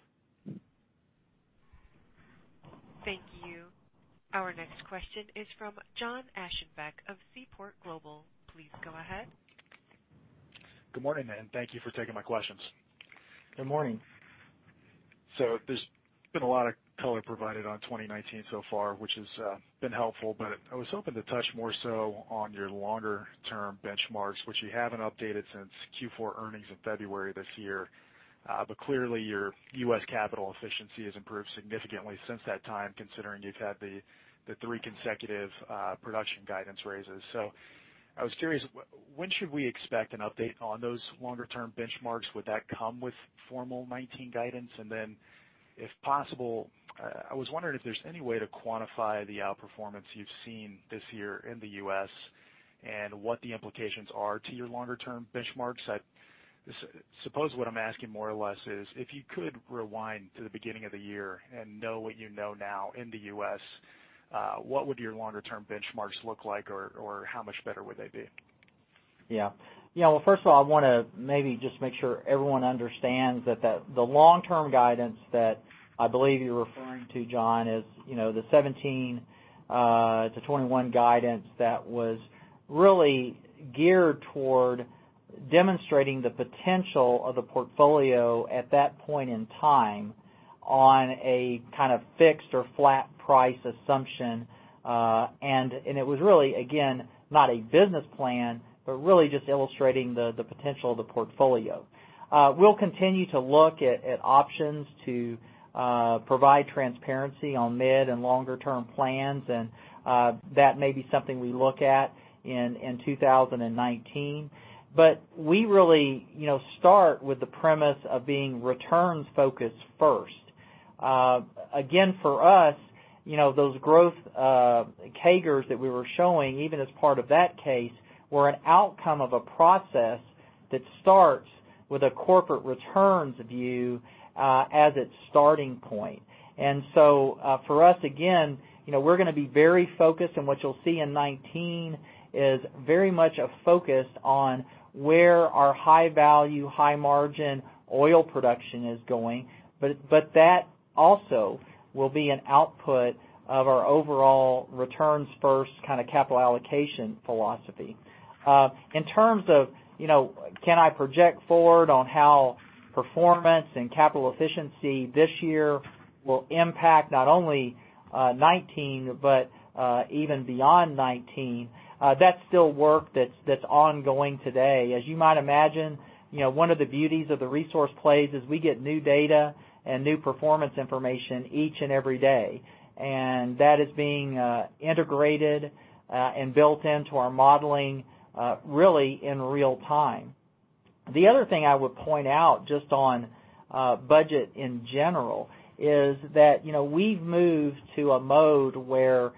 Speaker 1: Thank you. Our next question is from John Aschenbeck of Seaport Global. Please go ahead.
Speaker 14: Good morning. Thank you for taking my questions.
Speaker 3: Good morning.
Speaker 14: There's been a lot of color provided on 2019 so far, which has been helpful, but I was hoping to touch more so on your longer-term benchmarks, which you haven't updated since Q4 earnings in February this year. Clearly, your U.S. capital efficiency has improved significantly since that time, considering you've had the three consecutive production guidance raises. I was curious, when should we expect an update on those longer-term benchmarks? Would that come with formal 2019 guidance? If possible, I was wondering if there's any way to quantify the outperformance you've seen this year in the U.S., and what the implications are to your longer term benchmarks. I suppose what I'm asking more or less is, if you could rewind to the beginning of the year and know what you know now in the U.S., what would your longer-term benchmarks look like, or how much better would they be?
Speaker 3: Well, first of all, I want to maybe just make sure everyone understands that the long-term guidance that I believe you're referring to, John, is the 2017-2021 guidance that was really geared toward demonstrating the potential of the portfolio at that point in time on a kind of fixed or flat price assumption. It was really, again, not a business plan, but really just illustrating the potential of the portfolio. We'll continue to look at options to provide transparency on mid- and longer-term plans, and that may be something we look at in 2019. We really start with the premise of being returns focused first. Again, for us, those growth CAGRs that we were showing, even as part of that case, were an outcome of a process that starts with a corporate returns view as its starting point. For us, again, we're going to be very focused, and what you'll see in 2019 is very much a focus on where our high-value, high-margin oil production is going. That also will be an output of our overall returns-first kind of capital allocation philosophy. In terms of can I project forward on how performance and capital efficiency this year will impact not only 2019, but even beyond 2019, that's still work that's ongoing today. As you might imagine, one of the beauties of the resource plays is we get new data and new performance information each and every day, and that is being integrated and built into our modeling really in real time. The other thing I would point out just on budget in general is that we've moved to a mode where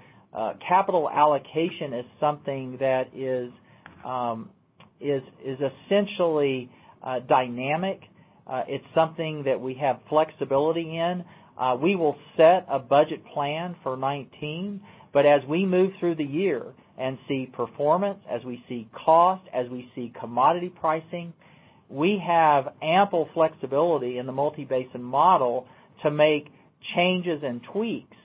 Speaker 3: capital allocation is something that is essentially dynamic. It's something that we have flexibility in. We will set a budget plan for 2019, but as we move through the year and see performance, as we see cost, as we see commodity pricing, we have ample flexibility in the multi-basin model to make changes and tweaks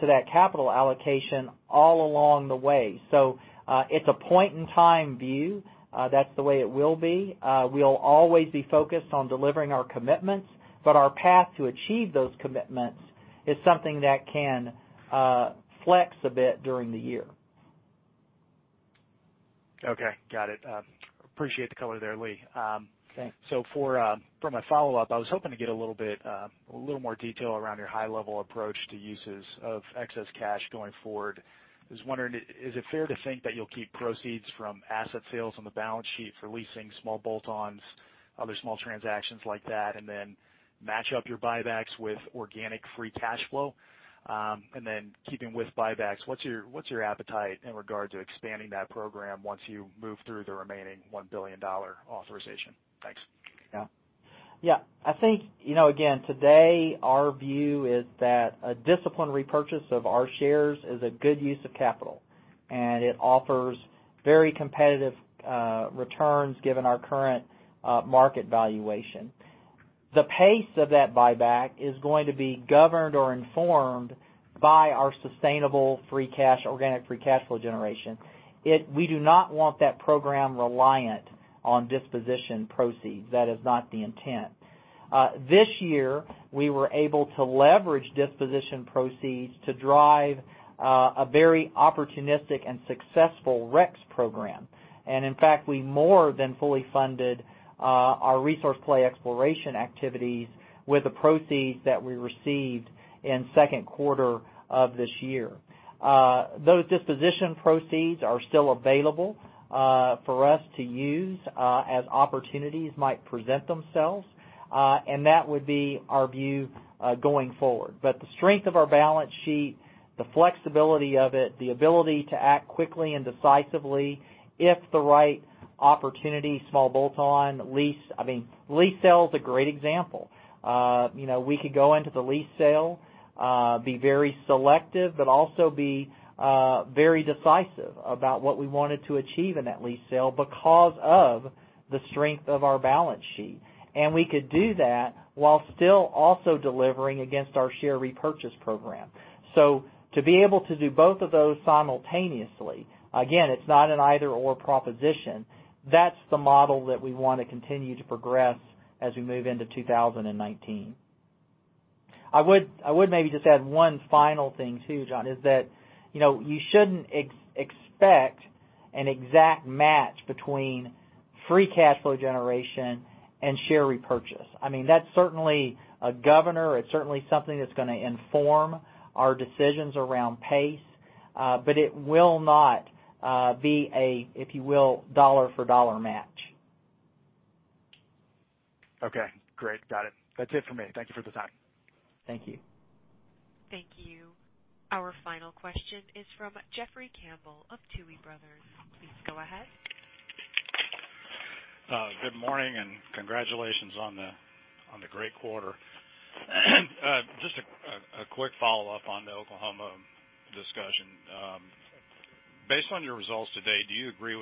Speaker 3: to that capital allocation all along the way. It's a point-in-time view. That's the way it will be. We'll always be focused on delivering our commitments, but our path to achieve those commitments is something that can flex a bit during the year.
Speaker 14: Got it. Appreciate the color there, Lee.
Speaker 3: Okay.
Speaker 14: For my follow-up, I was hoping to get a little more detail around your high-level approach to uses of excess cash going forward. I was wondering, is it fair to think that you'll keep proceeds from asset sales on the balance sheet for leasing small bolt-ons, other small transactions like that, and then match up your buybacks with organic free cash flow? Then keeping with buybacks, what's your appetite in regard to expanding that program once you move through the remaining $1 billion authorization? Thanks.
Speaker 3: Yeah. I think, again, today our view is that a disciplined repurchase of our shares is a good use of capital, and it offers very competitive returns given our current market valuation. The pace of that buyback is going to be governed or informed by our sustainable organic free cash flow generation. We do not want that program reliant on disposition proceeds. That is not the intent. This year, we were able to leverage disposition proceeds to drive a very opportunistic and successful REx program. In fact, we more than fully funded our resource play exploration activities with the proceeds that we received in second quarter of this year. Those disposition proceeds are still available for us to use as opportunities might present themselves. That would be our view going forward. The strength of our balance sheet, the flexibility of it, the ability to act quickly and decisively if the right opportunity, small bolt-on. Lease sale is a great example. We could go into the lease sale, be very selective, but also be very decisive about what we wanted to achieve in that lease sale because of the strength of our balance sheet. We could do that while still also delivering against our share repurchase program. To be able to do both of those simultaneously, again, it's not an either/or proposition. That's the model that we want to continue to progress as we move into 2019. I would maybe just add one final thing too, John, is that you shouldn't expect an exact match between free cash flow generation and share repurchase. That's certainly a governor. It's certainly something that's going to inform our decisions around pace. It will not be a, if you will, dollar for dollar match.
Speaker 14: Okay, great. Got it. That's it for me. Thank you for the time.
Speaker 3: Thank you.
Speaker 1: Thank you. Our final question is from Jeffrey Campbell of Tuohy Brothers. Please go ahead.
Speaker 15: Good morning. Congratulations on the great quarter. Just a quick follow-up on the Oklahoma discussion. Based on your results to date, do you agree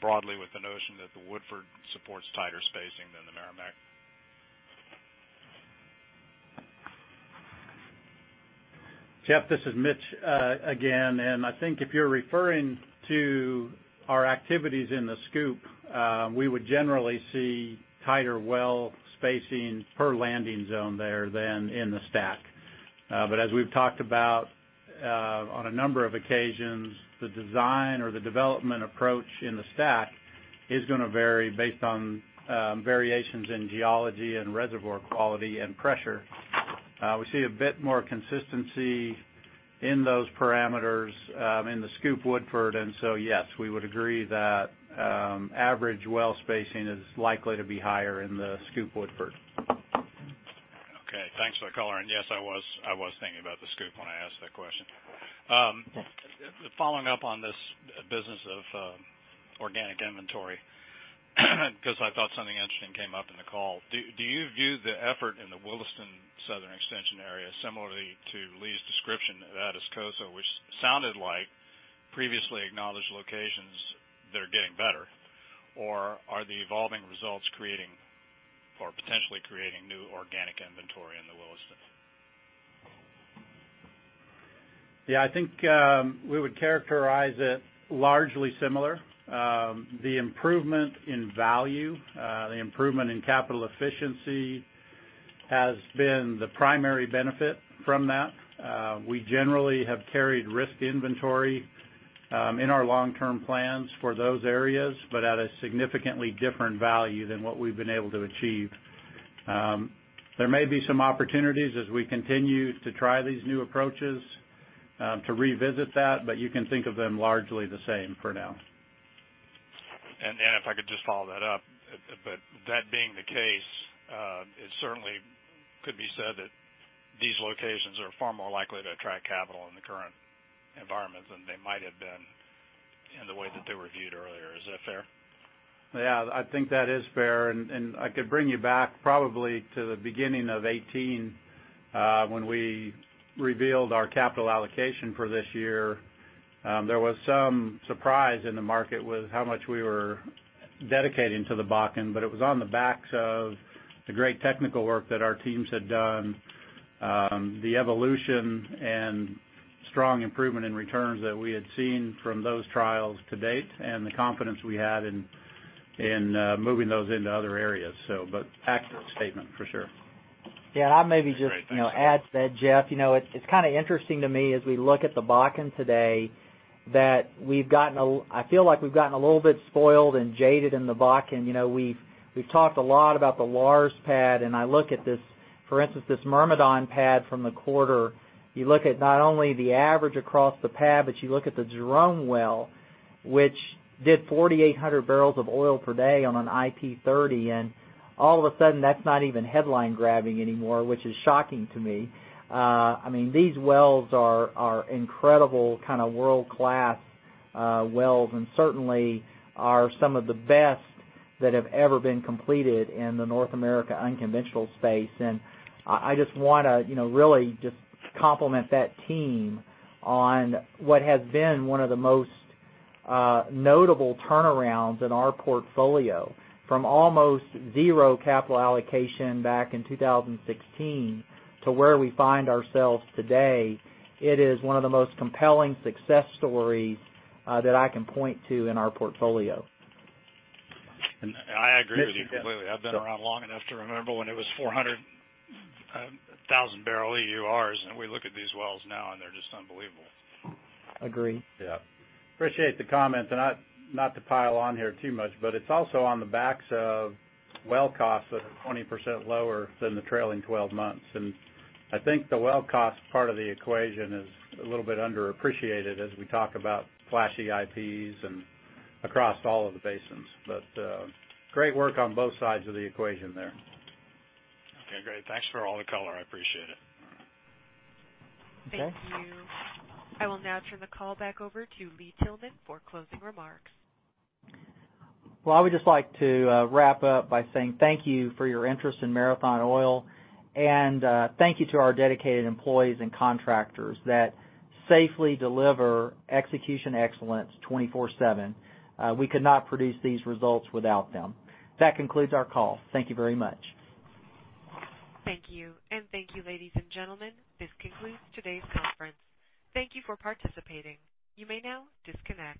Speaker 15: broadly with the notion that the Woodford supports tighter spacing than the Meramec?
Speaker 5: Jeffrey, this is Mitch again. I think if you're referring to our activities in the SCOOP, we would generally see tighter well spacing per landing zone there than in the STACK. As we've talked about on a number of occasions, the design or the development approach in the STACK is going to vary based on variations in geology and reservoir quality and pressure. We see a bit more consistency in those parameters in the SCOOP Woodford. Yes, we would agree that average well spacing is likely to be higher in the SCOOP Woodford.
Speaker 15: Thanks for the color. Yes, I was thinking about the SCOOP when I asked that question. Following up on this business of organic inventory because I thought something interesting came up in the call. Do you view the effort in the Williston Southern Extension area similarly to Lee's description of Atascosa, which sounded like previously acknowledged locations that are getting better, or are the evolving results creating, or potentially creating new organic inventory in the Williston?
Speaker 5: I think we would characterize it largely similar. The improvement in value, the improvement in capital efficiency has been the primary benefit from that. We generally have carried risk inventory in our long-term plans for those areas, but at a significantly different value than what we've been able to achieve. There may be some opportunities as we continue to try these new approaches to revisit that. You can think of them largely the same for now.
Speaker 15: If I could just follow that up, that being the case, it certainly could be said that these locations are far more likely to attract capital in the current environment than they might have been in the way that they were viewed earlier. Is that fair?
Speaker 5: I think that is fair. I could bring you back probably to the beginning of 2018 when we revealed our capital allocation for this year. There was some surprise in the market with how much we were dedicating to the Bakken. It was on the backs of the great technical work that our teams had done, the evolution and strong improvement in returns that we had seen from those trials to date, and the confidence we had in moving those into other areas. Accurate statement, for sure.
Speaker 3: Yeah, I'll maybe just add to that, Jeff. It's kind of interesting to me as we look at the Bakken today that I feel like we've gotten a little bit spoiled and jaded in the Bakken. We've talked a lot about the Lars pad, and I look at this, for instance, this Myrmidon pad from the quarter. You look at not only the average across the pad, but you look at the Jerome well, which did 4,800 barrels of oil per day on an IP30, and all of a sudden, that's not even headline grabbing anymore, which is shocking to me. These wells are incredible kind of world-class wells, and certainly are some of the best that have ever been completed in the North America unconventional space. I just want to really just compliment that team on what has been one of the most notable turnarounds in our portfolio. From almost zero capital allocation back in 2016 to where we find ourselves today, it is one of the most compelling success stories that I can point to in our portfolio.
Speaker 15: I agree with you completely. I've been around long enough to remember when it was 400,000 barrel EURs. We look at these wells now, and they're just unbelievable.
Speaker 3: Agreed.
Speaker 5: Yeah. Appreciate the comments, not to pile on here too much, but it's also on the backs of well costs that are 20% lower than the trailing 12 months. I think the well cost part of the equation is a little bit underappreciated as we talk about flashy IPs and across all of the basins. Great work on both sides of the equation there.
Speaker 15: Okay, great. Thanks for all the color. I appreciate it.
Speaker 3: Okay.
Speaker 1: Thank you. I will now turn the call back over to Lee Tillman for closing remarks.
Speaker 3: Well, I would just like to wrap up by saying thank you for your interest in Marathon Oil, and thank you to our dedicated employees and contractors that safely deliver execution excellence 24/7. We could not produce these results without them. That concludes our call. Thank you very much.
Speaker 1: Thank you, and thank you, ladies and gentlemen. This concludes today's conference. Thank you for participating. You may now disconnect.